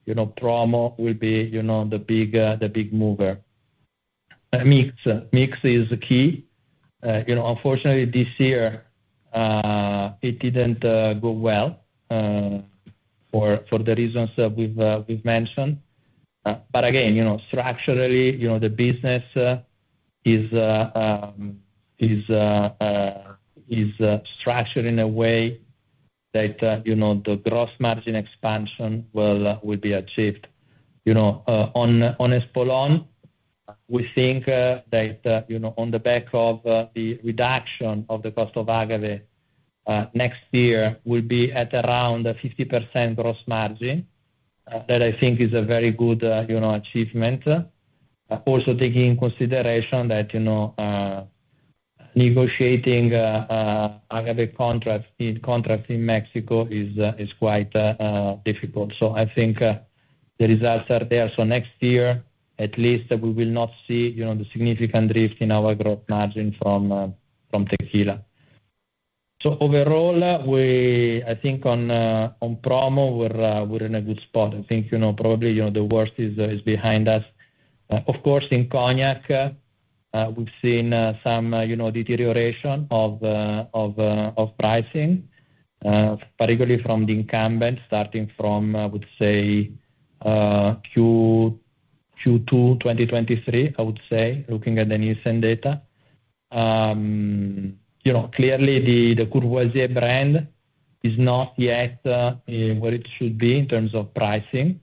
promo will be the big mover. Mix is key. Unfortunately, this year, it didn't go well for the reasons we've mentioned. But again, structurally, the business is structured in a way that the gross margin expansion will be achieved. On Espolòn, we think that on the back of the reduction of the cost of Agave, next year will be at around 50% gross margin. That I think is a very good achievement. Also, taking into consideration that negotiating Agave contracts in Mexico is quite difficult. So I think the results are there. Next year, at least, we will not see the significant drift in our gross margin from tequila. Overall, I think on promo, we're in a good spot. I think probably the worst is behind us. Of course, in cognac, we've seen some deterioration of pricing, particularly from the incumbents, starting from, I would say, Q2 2023, looking at the Nielsen data. Clearly, the Courvoisier brand is not yet where it should be in terms of pricing.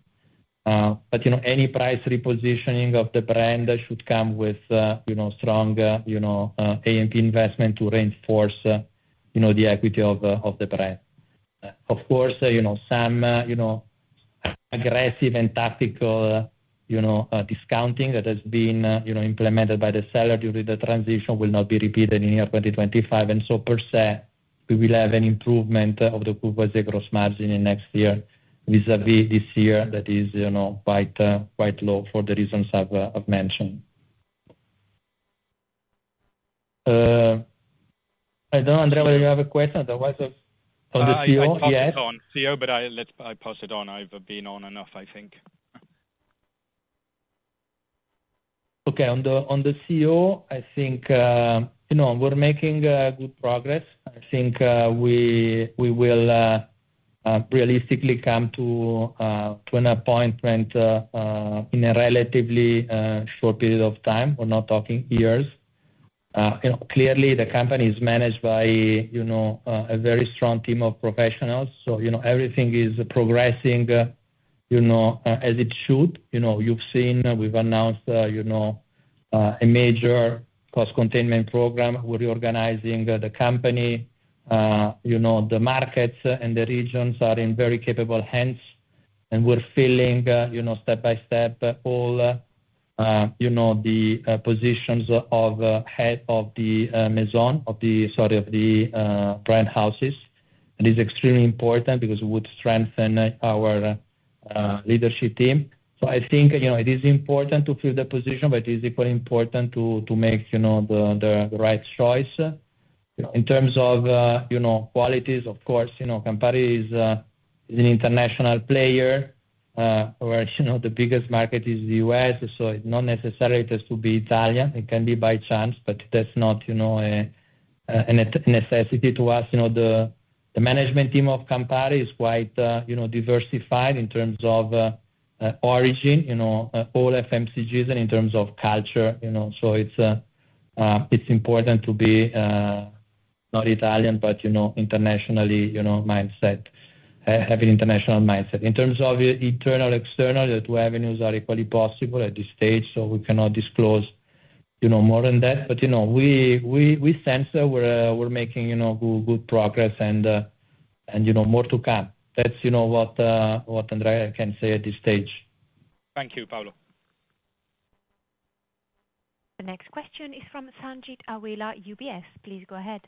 But any price repositioning of the brand should come with strong A&P investment to reinforce the equity of the brand. Of course, some aggressive and tactical discounting that has been implemented by the seller during the transition will not be repeated in year 2025. And so per se, we will have an improvement of the Courvoisier gross margin in next year vis-à-vis this year that is quite low for the reasons I've mentioned. I don't know, Andrea, whether you have a question otherwise on the CO? Yes. I'm on CO, but I passed on. I've been on enough, I think. Okay. On the CO, I think we're making good progress. I think we will realistically come to an appointment in a relatively short period of time. We're not talking years. Clearly, the company is managed by a very strong team of professionals. So everything is progressing as it should. You've seen we've announced a major cost containment program. We're reorganizing the company. The markets and the regions are in very capable hands. And we're filling step by step all the positions of head of the Maison, sorry, of the brand houses. It is extremely important because it would strengthen our leadership team. So I think it is important to fill the position, but it is equally important to make the right choice. In terms of qualities, of course, Campari is an international player where the biggest market is the U.S. So it's not necessary it has to be Italian. It can be by chance, but that's not a necessity to us. The management team of Campari is quite diversified in terms of origin, all FMCGs, and in terms of culture. So it's important to be not Italian, but international mindset, having international mindset. In terms of internal and external, the two avenues are equally possible at this stage. So we cannot disclose more than that. But we sense we're making good progress and more to come. That's what Andrea can say at this stage. Thank you, Paolo. The next question is from Sanjeet Aujla, UBS. Please go ahead.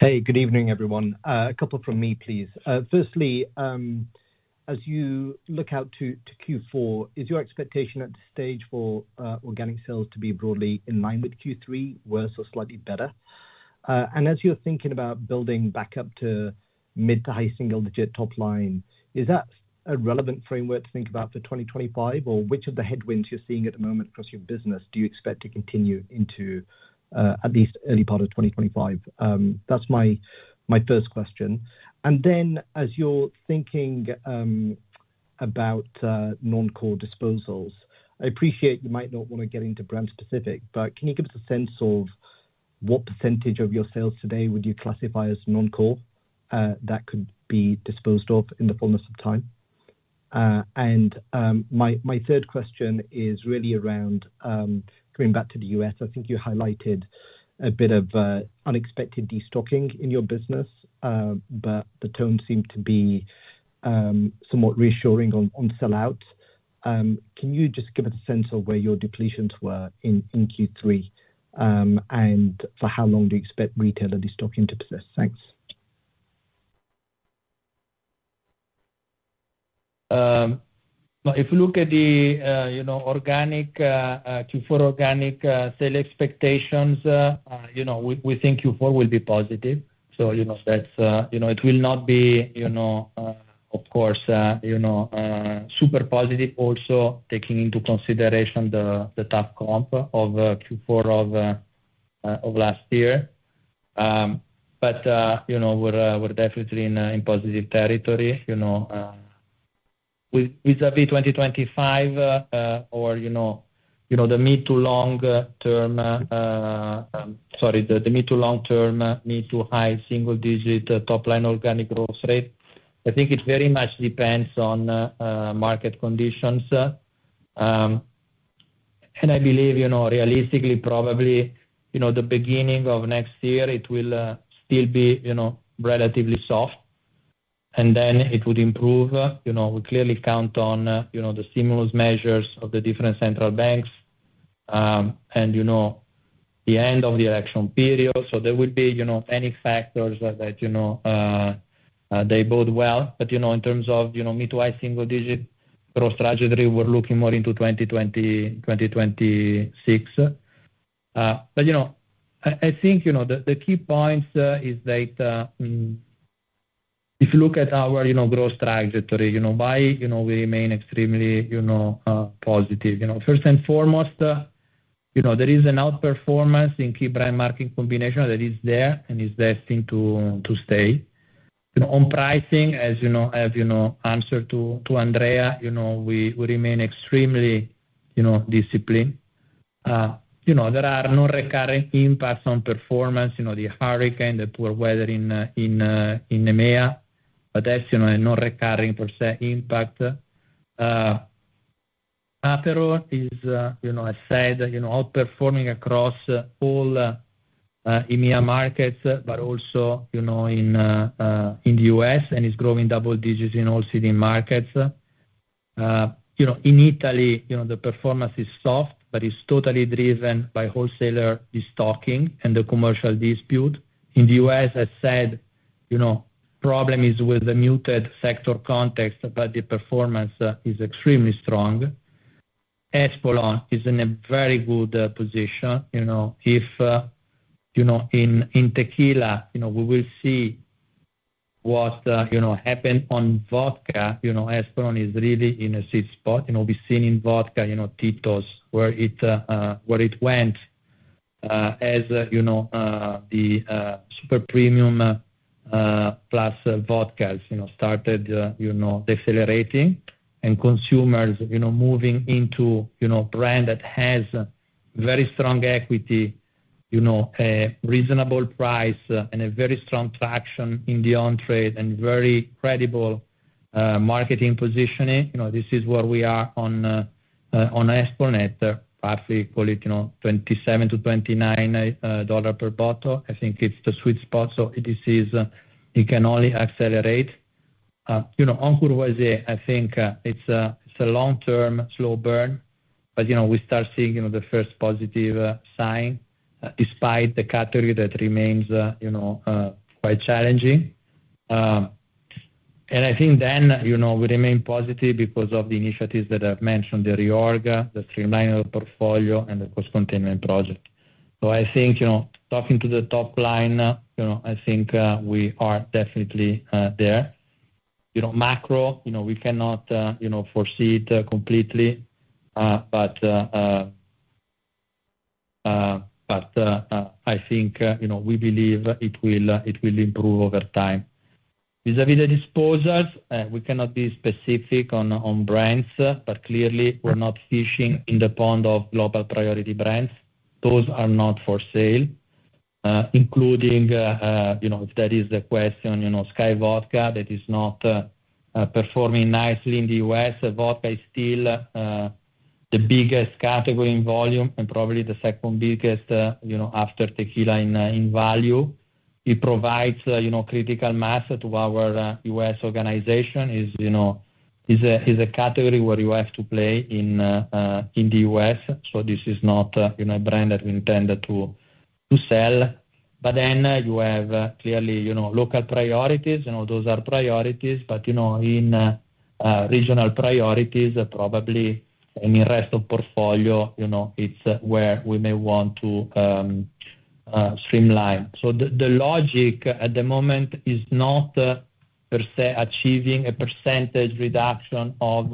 Hey, good evening, everyone. A couple from me, please. Firstly, as you look out to Q4, is your expectation at this stage for organic sales to be broadly in line with Q3, worse or slightly better? And as you're thinking about building back up to mid- to high single-digit top line, is that a relevant framework to think about for 2025? Or which of the headwinds you're seeing at the moment across your business do you expect to continue into at least early part of 2025? That's my first question. And then as you're thinking about non-core disposals, I appreciate you might not want to get into brand specific, but can you give us a sense of what percentage of your sales today would you classify as non-core that could be disposed of in the fullness of time? My third question is really around coming back to the U.S. I think you highlighted a bit of unexpected destocking in your business, but the tone seemed to be somewhat reassuring on sellout. Can you just give us a sense of where your depletions were in Q3 and for how long do you expect retailer destocking to persist? Thanks. If we look at the Q4 organic sales expectations, we think Q4 will be positive. So it will not be, of course, super positive also taking into consideration the tough comp of Q4 of last year. But we're definitely in positive territory. With AB 2025 or the mid to long-term sorry, the mid to long-term mid to high single-digit top line organic growth rate, I think it very much depends on market conditions. I believe realistically, probably the beginning of next year, it will still be relatively soft. Then it would improve. We clearly count on the stimulus measures of the different central banks and the end of the election period. There would be many factors that bode well. In terms of mid- to high-single-digit growth trajectory, we're looking more into 2026. I think the key points is that if you look at our growth trajectory, why we remain extremely positive. First and foremost, there is an outperformance in key brand-market combination that is there and is destined to stay. On pricing, as you have answered to Andrea, we remain extremely disciplined. There are no recurring impacts on performance, the hurricane, the poor weather in EMEA, but that's a non-recurring per se impact. After all, as I said, outperforming across all EMEA markets, but also in the U.S., and it's growing double digits in all key markets. In Italy, the performance is soft, but it's totally driven by wholesaler destocking and the commercial dispute. In the U.S., as I said, the problem is with the muted sector context, but the performance is extremely strong. Espolòn is in a very good position. If in tequila, we will see what happened on vodka. Espolòn is really in a sweet spot. We've seen in vodka Tito's where it went as the super premium plus vodkas started decelerating and consumers moving into a brand that has very strong equity, a reasonable price, and a very strong traction in the on-trade and very credible marketing positioning. This is where we are on Espolòn. It, roughly call it $27-$29 per bottle. I think it's the sweet spot, so it can only accelerate. On Courvoisier, I think it's a long-term slow burn, but we start seeing the first positive sign despite the category that remains quite challenging, and I think then we remain positive because of the initiatives that I've mentioned: the reorg, the streamlining of the portfolio, and the cost containment project, so I think talking to the top line, I think we are definitely there. Macro, we cannot foresee it completely, but I think we believe it will improve over time. Vis-à-vis the disposals, we cannot be specific on brands, but clearly, we're not fishing in the pond of global priority brands. Those are not for sale, including if that is the question. SKYY Vodka, that is not performing nicely in the U.S. Vodka is still the biggest category in volume and probably the second biggest after tequila in value. It provides critical mass to our U.S. organization. It's a category where you have to play in the U.S. So this is not a brand that we intend to sell. But then you have clearly local priorities. Those are priorities, but in regional priorities, probably in the rest of portfolio, it's where we may want to streamline. So the logic at the moment is not per se achieving a percentage reduction of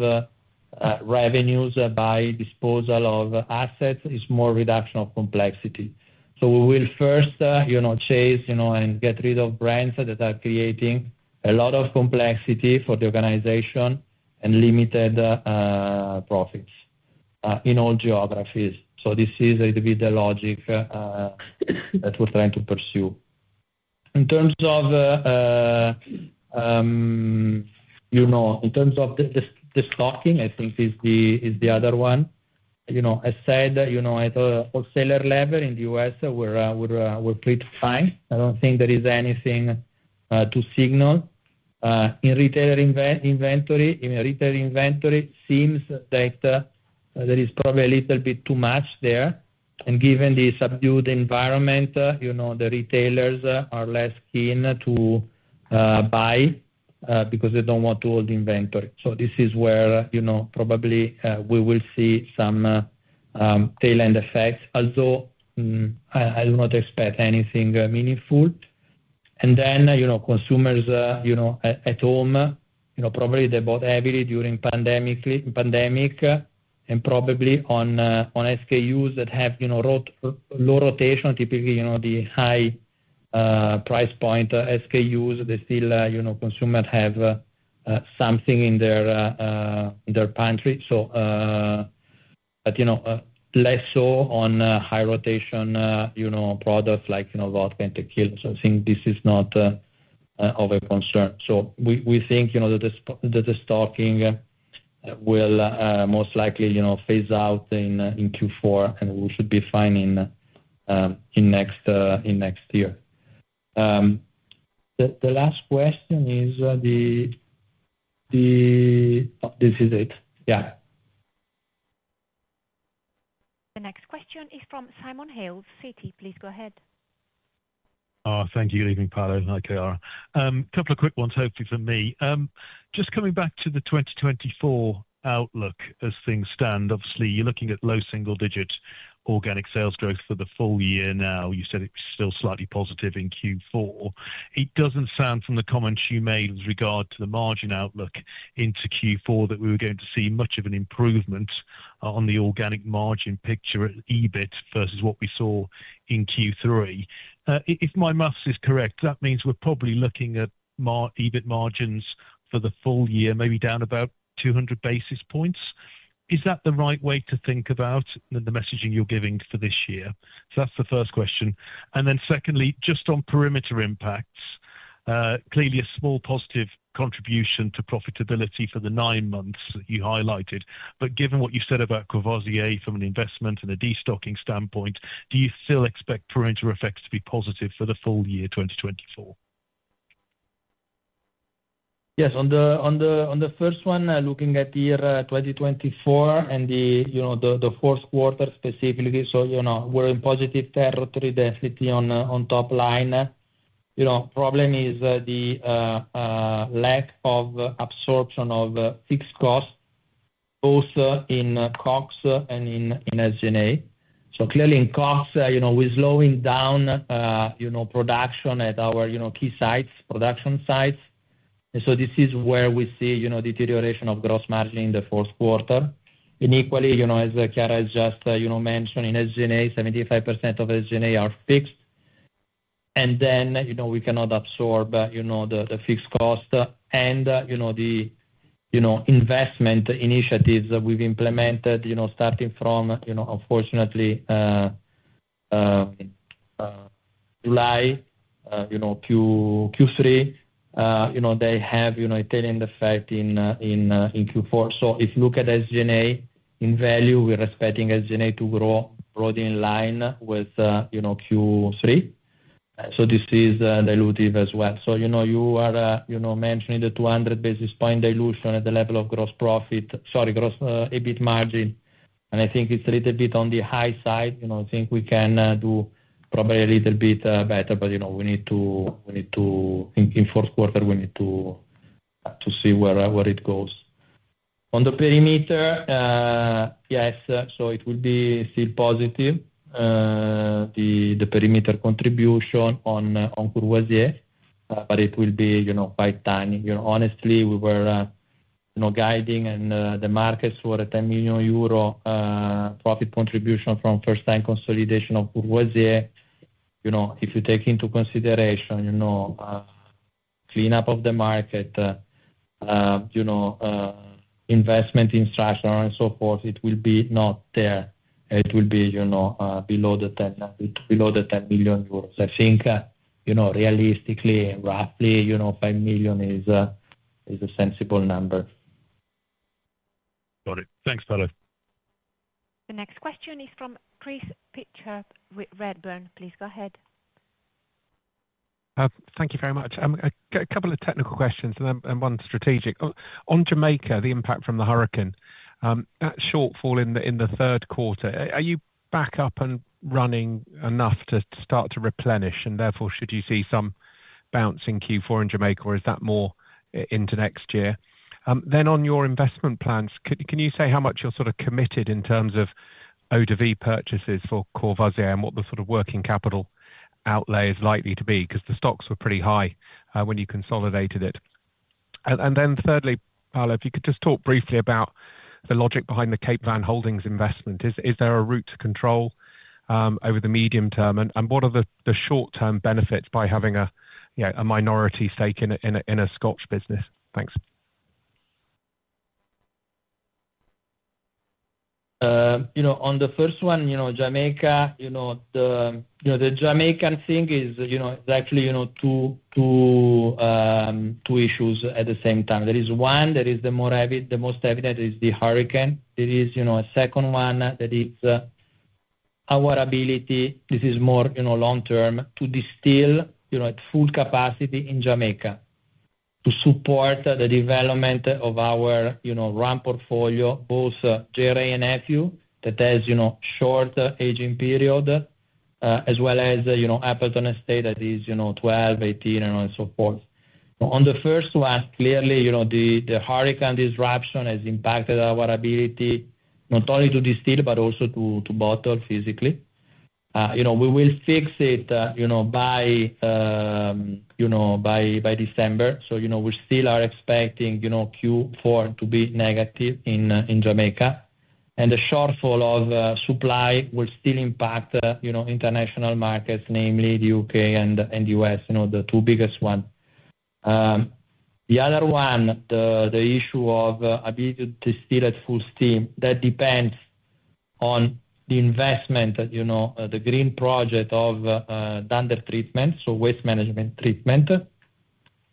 revenues by disposal of assets. It's more reduction of complexity. So we will first chase and get rid of brands that are creating a lot of complexity for the organization and limited profits in all geographies. So this is a bit the logic that we're trying to pursue. In terms of the stocking, I think is the other one. As I said, at the wholesaler level in the U.S., we're pretty fine. I don't think there is anything to signal. In retailer inventory, it seems that there is probably a little bit too much there. And given the subdued environment, the retailers are less keen to buy because they don't want to hold inventory. So this is where probably we will see some tail-end effects, although I do not expect anything meaningful. And then consumers at home, probably they bought heavily during pandemic and probably on SKUs that have low rotation, typically the high price point SKUs, consumers still have something in their pantry. But less so on high rotation products like vodka and tequila. So I think this is not of a concern. So we think that the stocking will most likely phase out in Q4, and we should be fine in next year. The last question is this. Yeah. The next question is from Simon Hales. Citi, please go ahead. Thank you. Good evening, Paolo. Hi, Chiara. A couple of quick ones, hopefully for me. Just coming back to the 2024 outlook as things stand, obviously, you're looking at low single-digit organic sales growth for the full year now. You said it was still slightly positive in Q4. It doesn't sound from the comments you made with regard to the margin outlook into Q4 that we were going to see much of an improvement on the organic margin picture at EBIT versus what we saw in Q3. If my math is correct, that means we're probably looking at EBIT margins for the full year maybe down about 200 basis points. Is that the right way to think about the messaging you're giving for this year? So that's the first question, and then secondly, just on perimeter impacts, clearly a small positive contribution to profitability for the nine-months that you highlighted. But given what you said about Courvoisier from an investment and a destocking standpoint, do you still expect perimeter effects to be positive for the full year 2024? Yes. On the first one, looking at year 2024 and the fourth quarter specifically, so we're in positive territory density on top line. Problem is the lack of absorption of fixed costs, both in COGS and in SG&A. So clearly in COGS, we're slowing down production at our key sites, production sites. And so this is where we see deterioration of gross margin in the fourth quarter. And equally, as Chiara has just mentioned, in SG&A, 75% of SG&A are fixed. And then we cannot absorb the fixed cost. And the investment initiatives that we've implemented, starting from, unfortunately, July, Q3, they have a tail-end effect in Q4. So if you look at SG&A in value, we're expecting SG&A to grow broadly in line with Q3. So this is dilutive as well. So you are mentioning the 200 basis point dilution at the level of gross profit, sorry, gross EBIT margin. And I think it's a little bit on the high side. I think we can do probably a little bit better, but we need to think in fourth quarter, we need to see where it goes. On the perimeter, yes, so it will be still positive, the perimeter contribution on Courvoisier, but it will be quite tiny. Honestly, we were guiding and the markets were a 10 million euro profit contribution from first-time consolidation of Courvoisier. If you take into consideration cleanup of the market, investment in structure and so forth, it will be not there. It will be below the 10 million euros. I think realistically, roughly 5 million is a sensible number. Got it. Thanks, Paolo. The next question is from Chris Pitcher, Redburn. Please go ahead. Thank you very much. A couple of technical questions and one strategic. On Jamaica, the impact from the hurricane, that shortfall in the third quarter, are you back up and running enough to start to replenish? And therefore, should you see some bounce in Q4 in Jamaica, or is that more into next year? Then on your investment plans, can you say how much you're sort of committed in terms of eaux-de-vie purchases for Courvoisier and what the sort of working capital outlay is likely to be? Because the stocks were pretty high when you consolidated it. And then thirdly, Paolo, if you could just talk briefly about the logic behind the Capevin Holdings investment. Is there a route to control over the medium term? What are the short-term benefits by having a minority stake in a Scotch business? Thanks. On the first one, Jamaica, the Jamaican thing is actually two issues at the same time. There is one that is the most evident, is the hurricane. There is a second one that is our ability, this is more long-term, to distill at full capacity in Jamaica to support the development of our rum portfolio, both J. Wray & Nephew, that has a short aging period, as well as Appleton Estate that is 12, 18, and so forth. On the first one, clearly, the hurricane disruption has impacted our ability not only to distill, but also to bottle physically. We will fix it by December. We still are expecting Q4 to be negative in Jamaica. And the shortfall of supply will still impact international markets, namely the U.K. and the U.S., the two biggest ones. The other one, the issue of ability to distill at full steam, that depends on the investment, the green project of odor treatment, so waste management treatment.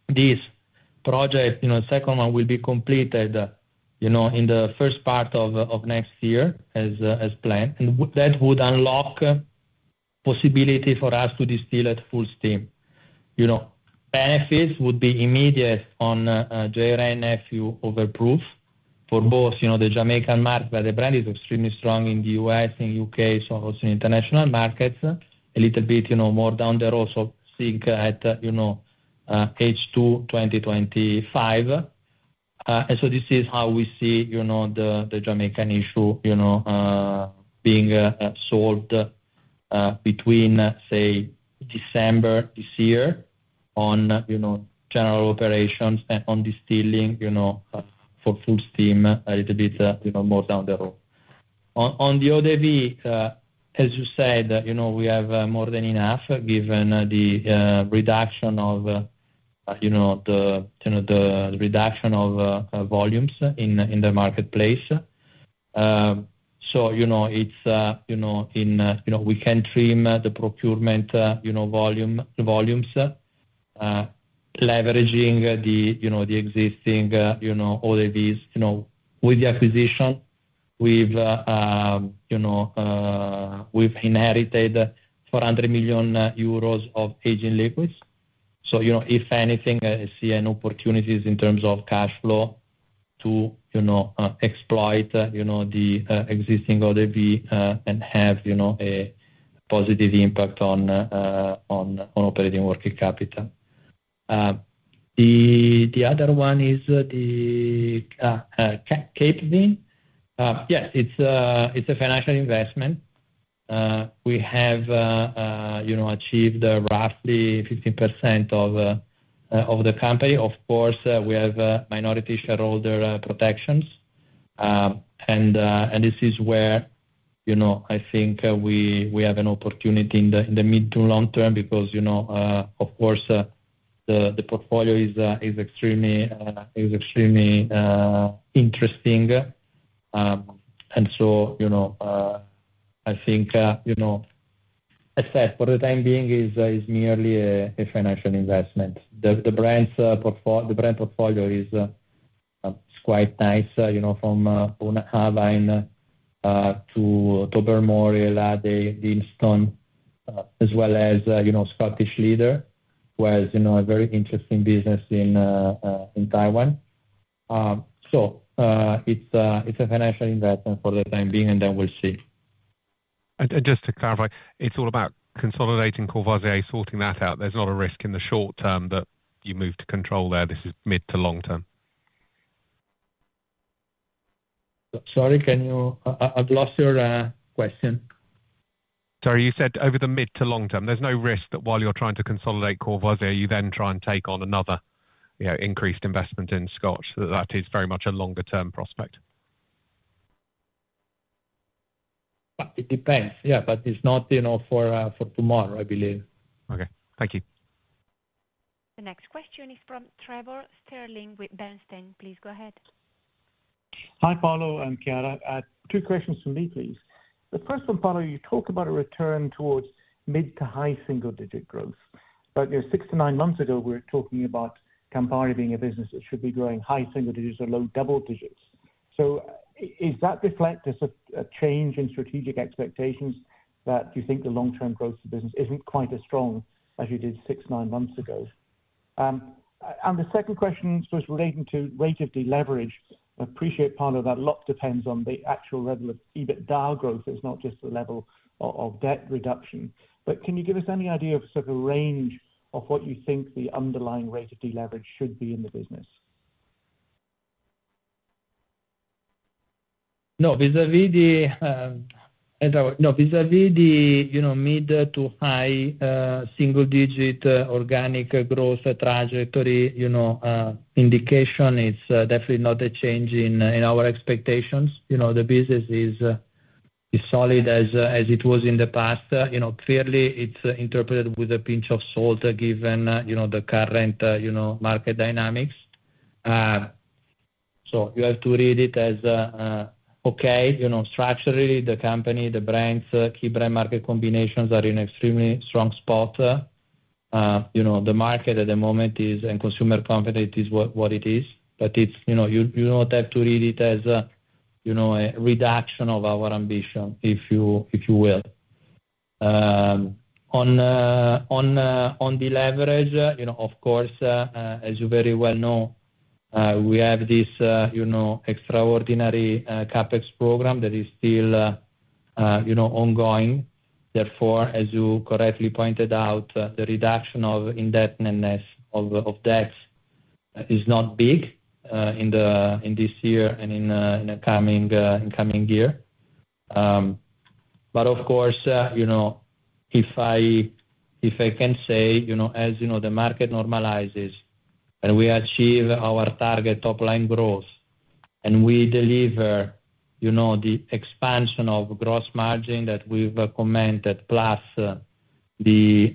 This project, the second one, will be completed in the first part of next year as planned. And that would unlock the possibility for us to distill at full steam. Benefits would be immediate on J. Wray & Nephew overproof for both the Jamaican market, where the brand is extremely strong in the U.S. and U.K., so also in international markets, a little bit more down the road so circa H2 2025. And so this is how we see the Jamaican issue being solved between, say, December this year on general operations and on distilling for full steam a little bit more down the road. On the eaux-de-vie, as you said, we have more than enough given the reduction of volumes in the marketplace. So, in, we can trim the procurement volumes, leveraging the existing [ODVs]. With the acquisition, we've inherited 400 million euros of aging liquids. So if anything, I see an opportunity in terms of cash flow to exploit the existing eaux-de-vie and have a positive impact on operating working capital. The other one is the Capevin. Yes, it's a financial investment. We have achieved roughly 15% of the company. Of course, we have minority shareholder protections. And this is where I think we have an opportunity in the mid to long term because, of course, the portfolio is extremely interesting. And so I think, as I said, for the time being, it's merely a financial investment. The brand portfolio is quite nice from Bunnahabhain to Tobermory, Ledaig, Deanston, as well as Scottish Leader, who has a very interesting business in Taiwan. So it's a financial investment for the time being, and then we'll see. Just to clarify, it's all about consolidating Courvoisier, sorting that out. There's not a risk in the short term that you move to control there. This is mid- to long-term. Sorry, can you? I've lost your question. Sorry. You said over the mid- to long-term, there's no risk that while you're trying to consolidate Courvoisier, you then try and take on another increased investment in Scotch. That is very much a longer-term prospect. It depends. Yeah, but it's not for tomorrow, I believe. Okay. Thank you. The next question is from Trevor Stirling with Bernstein. Please go ahead. Hi, Paolo. I'm Chiara. Two questions for me, please. The first one, Paolo, you talk about a return towards mid to high single-digit growth. But six to nine-months ago, we were talking about Campari being a business that should be growing high single digits or low double digits. So is that reflective of a change in strategic expectations that you think the long-term growth of the business isn't quite as strong as you did six to nine-months ago? And the second question was relating to rate of deleverage. I appreciate, Paolo, that a lot depends on the actual level of EBITDA growth. It's not just the level of debt reduction. But can you give us any idea of sort of a range of what you think the underlying rate of deleverage should be in the business? No, vis-à-vis the mid- to high-single-digit organic growth trajectory indication, it's definitely not a change in our expectations. The business is solid as it was in the past. Clearly, it's interpreted with a pinch of salt given the current market dynamics. So you have to read it as, okay, structurally, the company, the brands, key brand market combinations are in an extremely strong spot. The market at the moment is, and consumer confidence is what it is. But you don't have to read it as a reduction of our ambition, if you will. On deleverage, of course, as you very well know, we have this extraordinary CapEx program that is still ongoing. Therefore, as you correctly pointed out, the reduction in indebtedness or debt is not big in this year and in the coming year. But of course, if I can say, as the market normalizes and we achieve our target top-line growth and we deliver the expansion of gross margin that we've commented plus the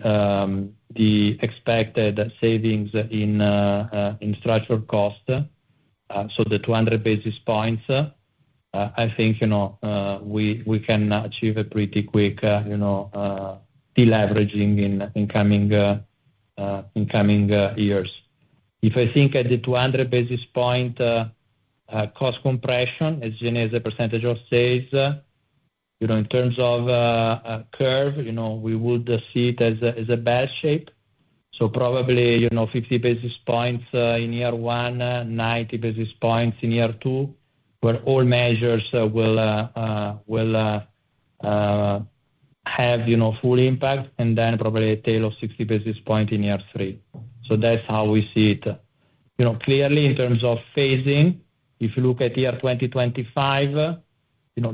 expected savings in structural cost, so the 200 basis points, I think we can achieve a pretty quick deleveraging in coming years. If I think at the 200 basis point cost compression, as a % of sales, in terms of curve, we would see it as a back-loaded shape. So probably 50 basis points in year one, 90 basis points in year two, where all measures will have full impact, and then probably a tail of 60 basis points in year three. So that's how we see it. Clearly, in terms of phasing, if you look at year 2025,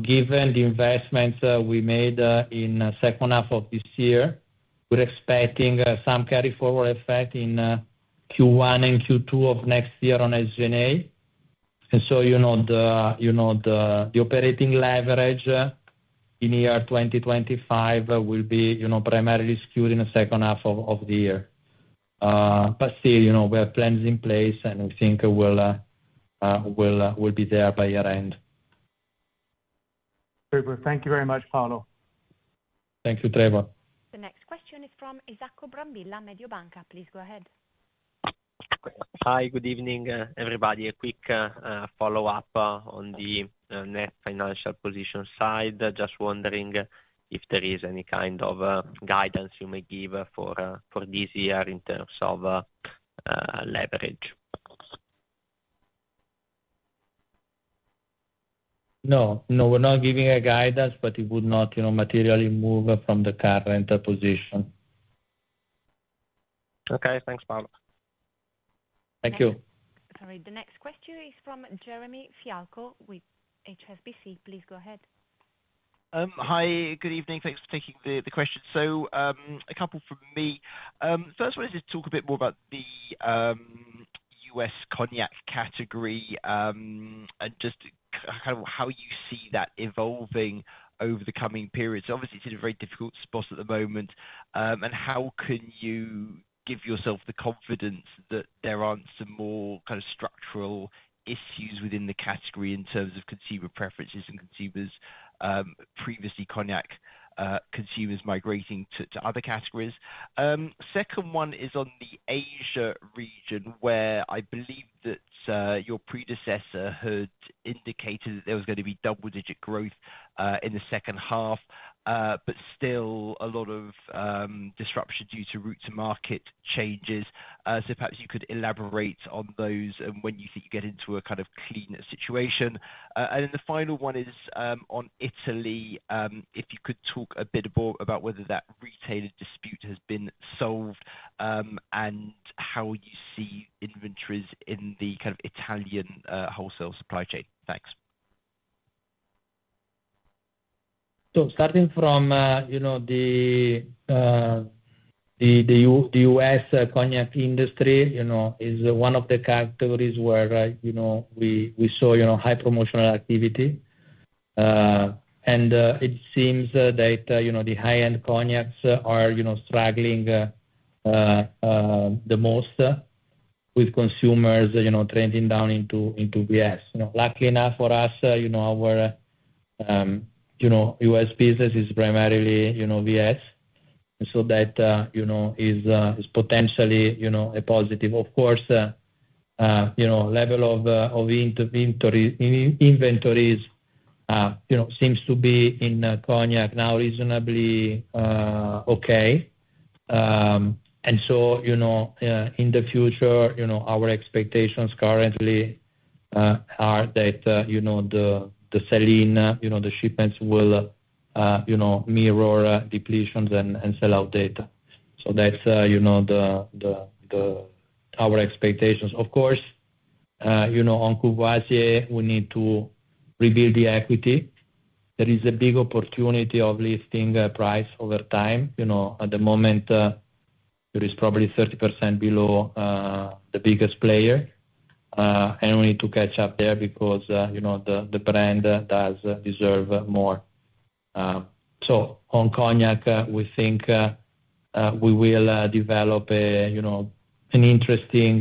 given the investments we made in the second half of this year, we're expecting some carry-forward effect in Q1 and Q2 of next year on SG&A, and so the operating leverage in year 2025 will be primarily skewed in the second half of the year, but still, we have plans in place, and we think we'll be there by year-end. [Beautiful], thank you very much, Paolo. Thank you, Trevor. The next question is from Isacco Brambilla, Mediobanca. Please go ahead. Hi, good evening, everybody. A quick follow-up on the net financial position side. Just wondering if there is any kind of guidance you may give for this year in terms of leverage. No, no, we're not giving a guidance, but it would not materially move from the current position. Okay, thanks, Paolo. Thank you. Sorry, the next question is from Jeremy Fialko with HSBC. Please go ahead. Hi, good evening. Thanks for taking the question. So a couple from me. First one is to talk a bit more about the U.S. Cognac category and just kind of how you see that evolving over the coming period. So obviously, it's in a very difficult spot at the moment. And how can you give yourself the confidence that there aren't some more kind of structural issues within the category in terms of consumer preferences and consumers, previously Cognac consumers migrating to other categories? Second one is on the Asia region, where I believe that your predecessor had indicated that there was going to be double-digit growth in the second half, but still a lot of disruption due to route to market changes. So perhaps you could elaborate on those and when you think you get into a kind of cleaner situation and then the final one is on Italy. If you could talk a bit more about whether that retailer dispute has been solved and how you see inventories in the kind of Italian wholesale supply chain. Thanks. So starting from the U.S. Cognac industry is one of the categories where we saw high promotional activity and it seems that the high-end Cognacs are struggling the most with consumers trending down into VS. Luckily enough for us, our U.S. business is primarily VS and so that is potentially a positive. Of course, level of inventories seems to be in Cognac now reasonably okay and so in the future, our expectations currently are that the sell-in, the shipments will mirror depletions and sell-out data. So that's our expectations. Of course, on Courvoisier, we need to rebuild the equity. There is a big opportunity of lifting price over time. At the moment, it is probably 30% below the biggest player. And we need to catch up there because the brand does deserve more. So on Cognac, we think we will develop an interesting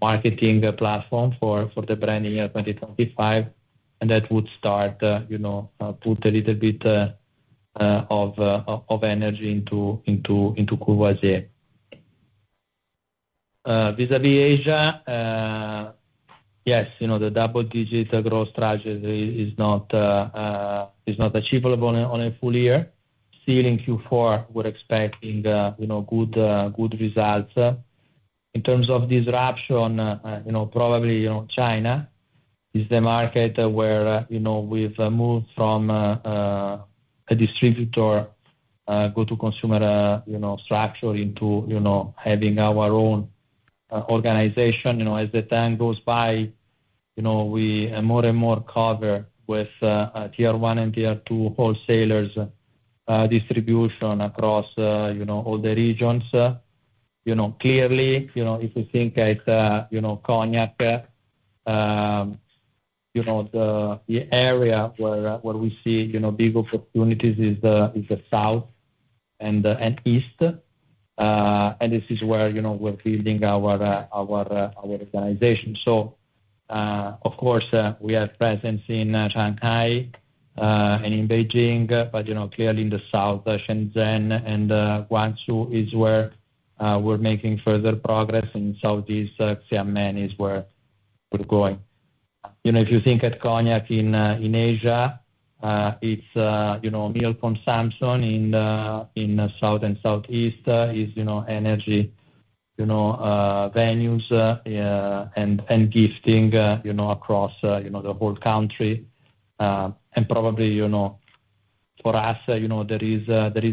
marketing platform for the brand in year 2025. And that would start, put a little bit of energy into Courvoisier. Vis-à-vis Asia, yes, the double-digit growth trajectory is not achievable on a full year. Still, in Q4, we're expecting good results. In terms of disruption, probably China is the market where we've moved from a distributor go-to-consumer structure into having our own organization. As the time goes by, we more and more cover with tier one and tier two wholesalers distribution across all the regions. Clearly, if we think of Cognac, the area where we see big opportunities is the south and east, and this is where we're building our organization, so of course, we have presence in Shanghai and in Beijing, but clearly in the south, Shenzhen and Guangzhou is where we're making further progress. In southeast, Xiamen is where we're going. If you think of Cognac in Asia, it's mainly on-premise in the south and southeast: energy venues and gifting across the whole country, and probably for us, there is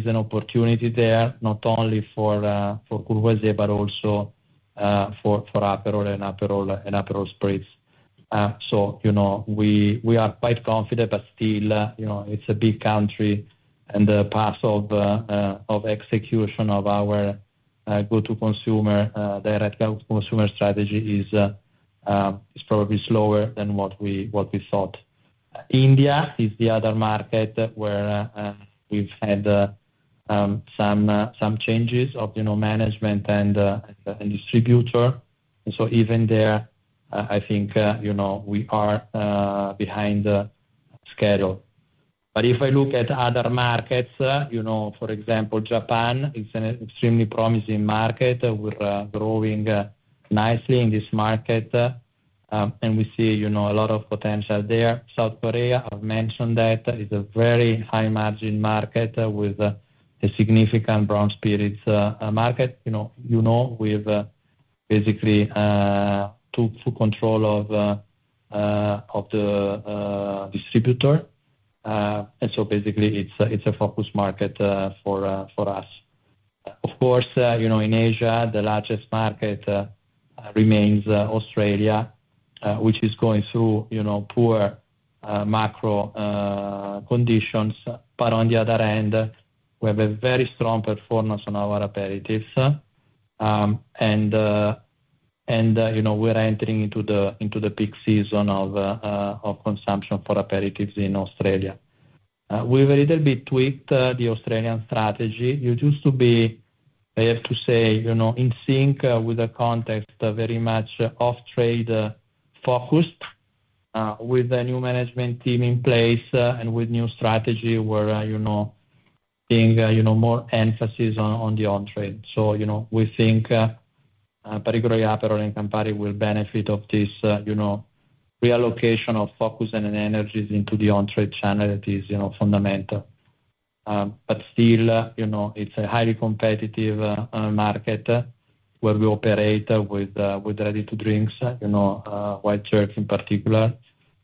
an opportunity there, not only for Courvoisier, but also for Aperol and Aperol Spritz, so we are quite confident, but still, it's a big country, and the path of execution of our go-to-consumer, direct go-to-consumer strategy is probably slower than what we thought. India is the other market where we've had some changes of management and distributor. And so even there, I think we are behind schedule. But if I look at other markets, for example, Japan is an extremely promising market. We're growing nicely in this market, and we see a lot of potential there. South Korea, I've mentioned that, is a very high-margin market with a significant brown spirits market. You know we've basically took full control of the distributor. And so basically, it's a focus market for us. Of course, in Asia, the largest market remains Australia, which is going through poor macro conditions. But on the other hand, we have a very strong performance on our Aperitifs. And we're entering into the peak season of consumption for Aperitifs in Australia. We've a little bit tweaked the Australian strategy. You used to be, I have to say, in sync with the context, very much off-trade focused with a new management team in place and with new strategy where being more emphasis on the on-trade. So we think particularly Aperol and Campari will benefit of this reallocation of focus and energies into the on-trade channel that is fundamental. But still, it's a highly competitive market where we operate with ready-to-drinks, Wild Turkey in particular,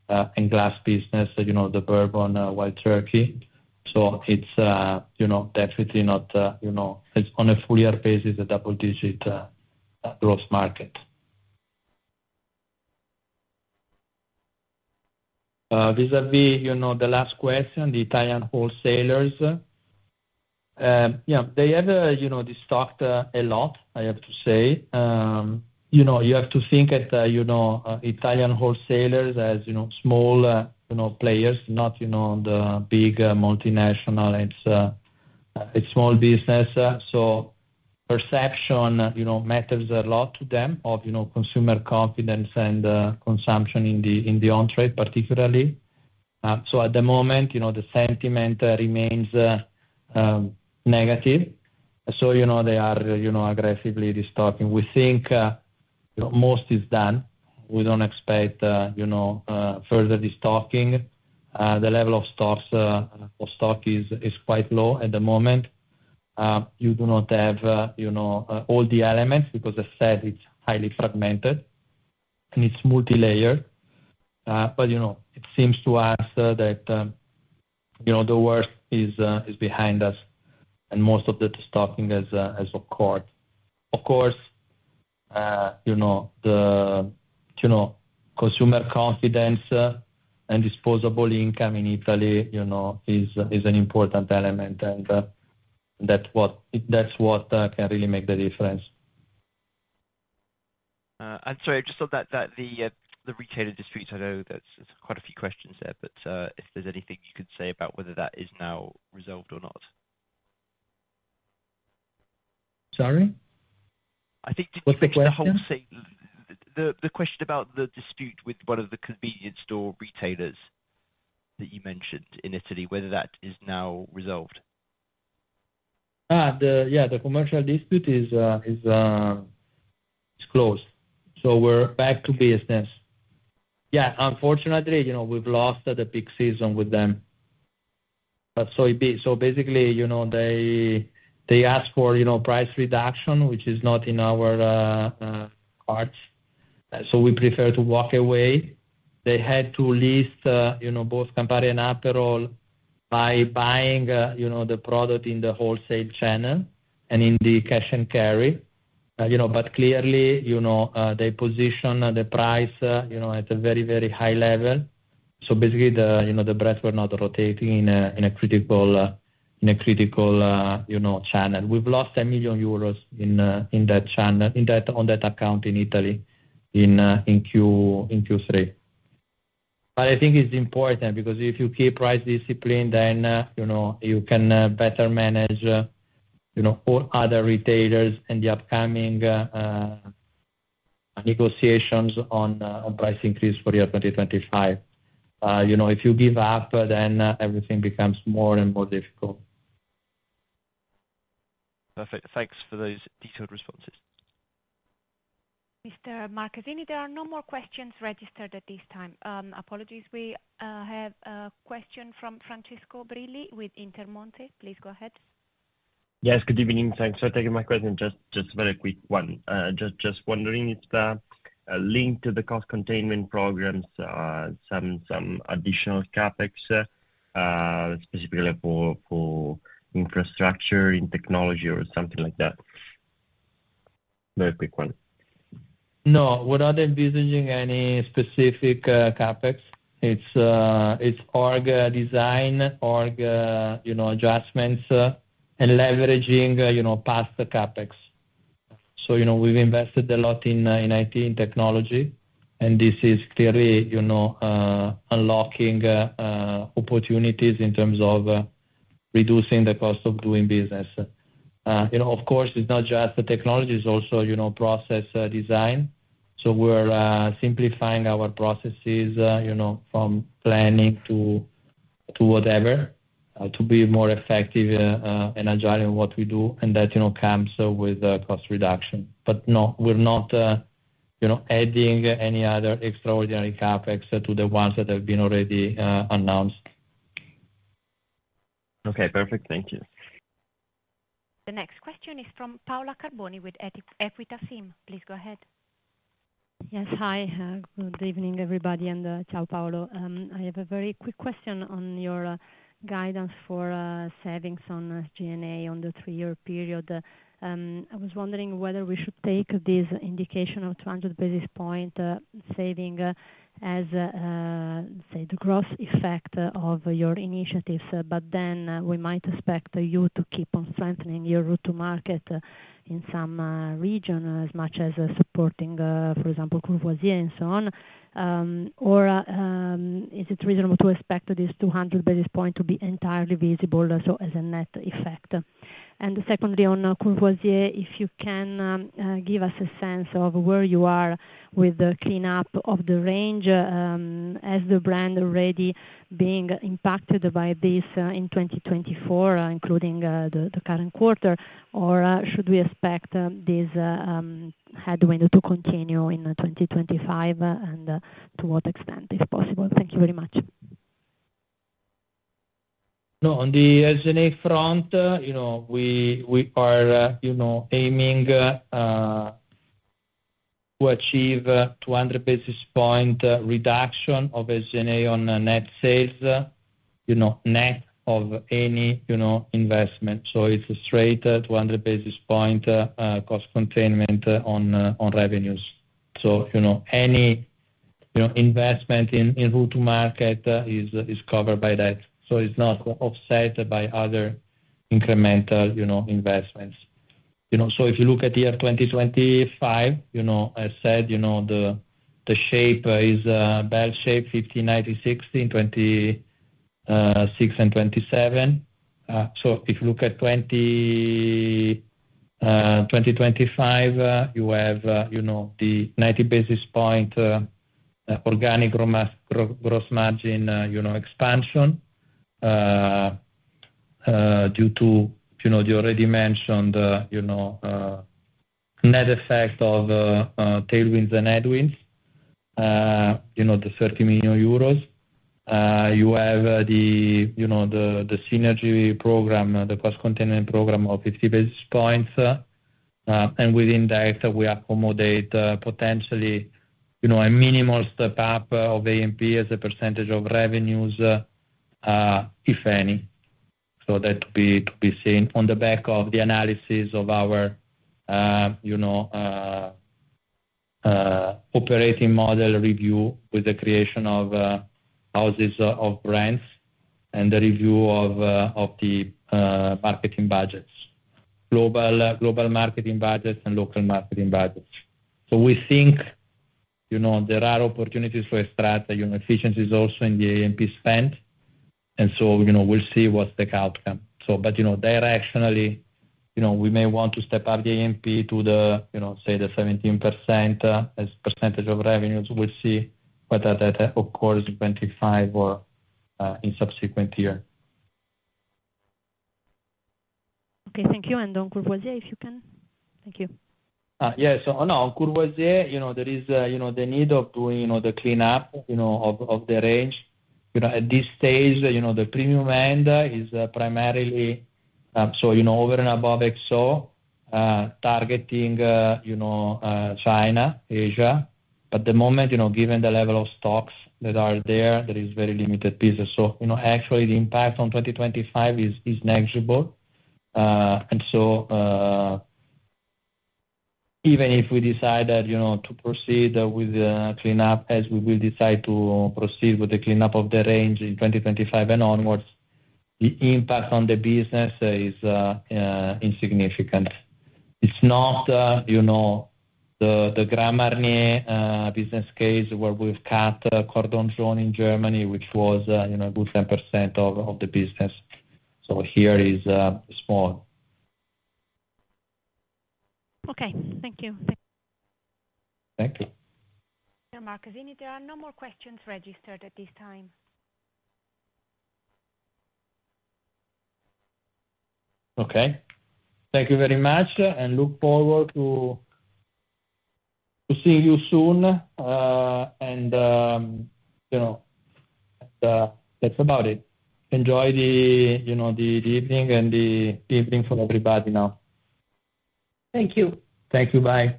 and glass business, the bourbon Wild Turkey. So it's definitely not, on a full-year basis, a double-digit growth market. Vis-à-vis the last question, the Italian wholesalers, yeah, they have destocked a lot, I have to say. You have to think at Italian wholesalers as small players, not the big multinational. It's a small business. So perception matters a lot to them of consumer confidence and consumption in the on-trade, particularly. So at the moment, the sentiment remains negative. So they are aggressively restocking. We think most is done. We don't expect further restocking. The level of stock is quite low at the moment. You do not have all the elements because, as I said, it's highly fragmented and it's multilayered. But it seems to us that the worst is behind us and most of the stocking has occurred. Of course, the consumer confidence and disposable income in Italy is an important element, and that's what can really make the difference. And sorry, I just thought that the retailer disputes. I know there's quite a few questions there, but if there's anything you could say about whether that is now resolved or not. Sorry? I think the question about the dispute with one of the convenience store retailers that you mentioned in Italy, whether that is now resolved. Yeah, the commercial dispute is closed. So we're back to business. Yeah, unfortunately, we've lost the peak season with them. So basically, they ask for price reduction, which is not in our hearts. So we prefer to walk away. They had to list both Campari and Aperol by buying the product in the wholesale channel and in the cash and carry. But clearly, they positioned the price at a very, very high level. So basically, the brands were not rotating in a critical channel. We've lost 1 million euros in that channel, on that account in Italy in Q3. But I think it's important because if you keep price discipline, then you can better manage all other retailers and the upcoming negotiations on price increase for year 2025. If you give up, then everything becomes more and more difficult. Perfect. Thanks for those detailed responses. Mr. Marchesini, there are no more questions registered at this time. Apologies. We have a question from Francesco Brilli with Intermonte. Please go ahead. Yes, good evening. Thanks for taking my question. Just a very quick one. Just wondering if the link to the cost containment programs, some additional CapEx, specifically for infrastructure in technology or something like that. Very quick one. No, we're not envisaging any specific CapEx. It's org design, org adjustments, and leveraging past CapEx. So we've invested a lot in IT and technology, and this is clearly unlocking opportunities in terms of reducing the cost of doing business. Of course, it's not just the technology, it's also process design. So we're simplifying our processes from planning to whatever to be more effective and agile in what we do, and that comes with cost reduction. But no, we're not adding any other extraordinary CapEx to the ones that have been already announced. Okay, perfect. Thank you. The next question is from Paola Carboni with Equita SIM. Please go ahead. Yes, hi. Good evening, everybody, and ciao, Paolo. I have a very quick question on your guidance for savings on SG&A on the three-year period. I was wondering whether we should take this indication of 200 basis points saving as, say, the gross effect of your initiatives, but then we might expect you to keep on strengthening your route to market in some region as much as supporting, for example, Courvoisier and so on. Or is it reasonable to expect this 200 basis points to be entirely visible, so as a net effect? Secondly, on Courvoisier, if you can give us a sense of where you are with the cleanup of the range, as the brand already being impacted by this in 2024, including the current quarter, or should we expect this headwind to continue in 2025, and to what extent, if possible? Thank you very much. No, on the SG&A front, we are aiming to achieve 200 basis point reduction of SG&A on net sales, net of any investment. So it's a straight 200 basis point cost containment on revenues. So any investment in route to market is covered by that. So it's not offset by other incremental investments. So if you look at year 2025, as I said, the shape is bell shape, [50 in 2025, 90 in 2026, and 60 in 2027]. So if you look at 2025, you have the 90 basis points organic gross margin expansion due to the already mentioned net effect of tailwinds and headwinds, EUR 30 million. You have the synergy program, the cost containment program of 50 basis points. And within that, we accommodate potentially a minimal step up of A&P as a percentage of revenues, if any. So that to be seen on the back of the analysis of our operating model review with the creation of houses of brands and the review of the marketing budgets, global marketing budgets, and local marketing budgets. So we think there are opportunities for strategy efficiencies also in the A&P spend. And so we'll see what's the outcome. But directionally, we may want to step up the A&P to, say, the 17% as percentage of revenues. We'll see whether that occurs in 2025 or in subsequent years. Okay, thank you. And on Courvoisier, if you can. Thank you. Yeah. So on Courvoisier, there is the need of doing the cleanup of the range. At this stage, the premium end is primarily so over and above XO, targeting China, Asia. But at the moment, given the level of stocks that are there, there is very limited business. So actually, the impact on 2025 is negligible. And so even if we decide to proceed with the cleanup, as we will decide to proceed with the cleanup of the range in 2025 and onwards, the impact on the business is insignificant. It's not the Grand Marnier business case where we've cut Cordon Jaune in Germany, which was a good 10% of the business. So here is small. Okay. Thank you. Thank you. Thank you. Marchesini, there are no more questions registered at this time. Okay. Thank you very much. Look forward to seeing you soon. That's about it. Enjoy the evening and the evening for everybody now. Thank you. Thank you. Bye.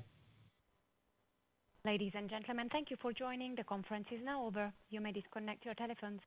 Ladies and gentlemen, thank you for joining. The conference is now over. You may disconnect your telephones.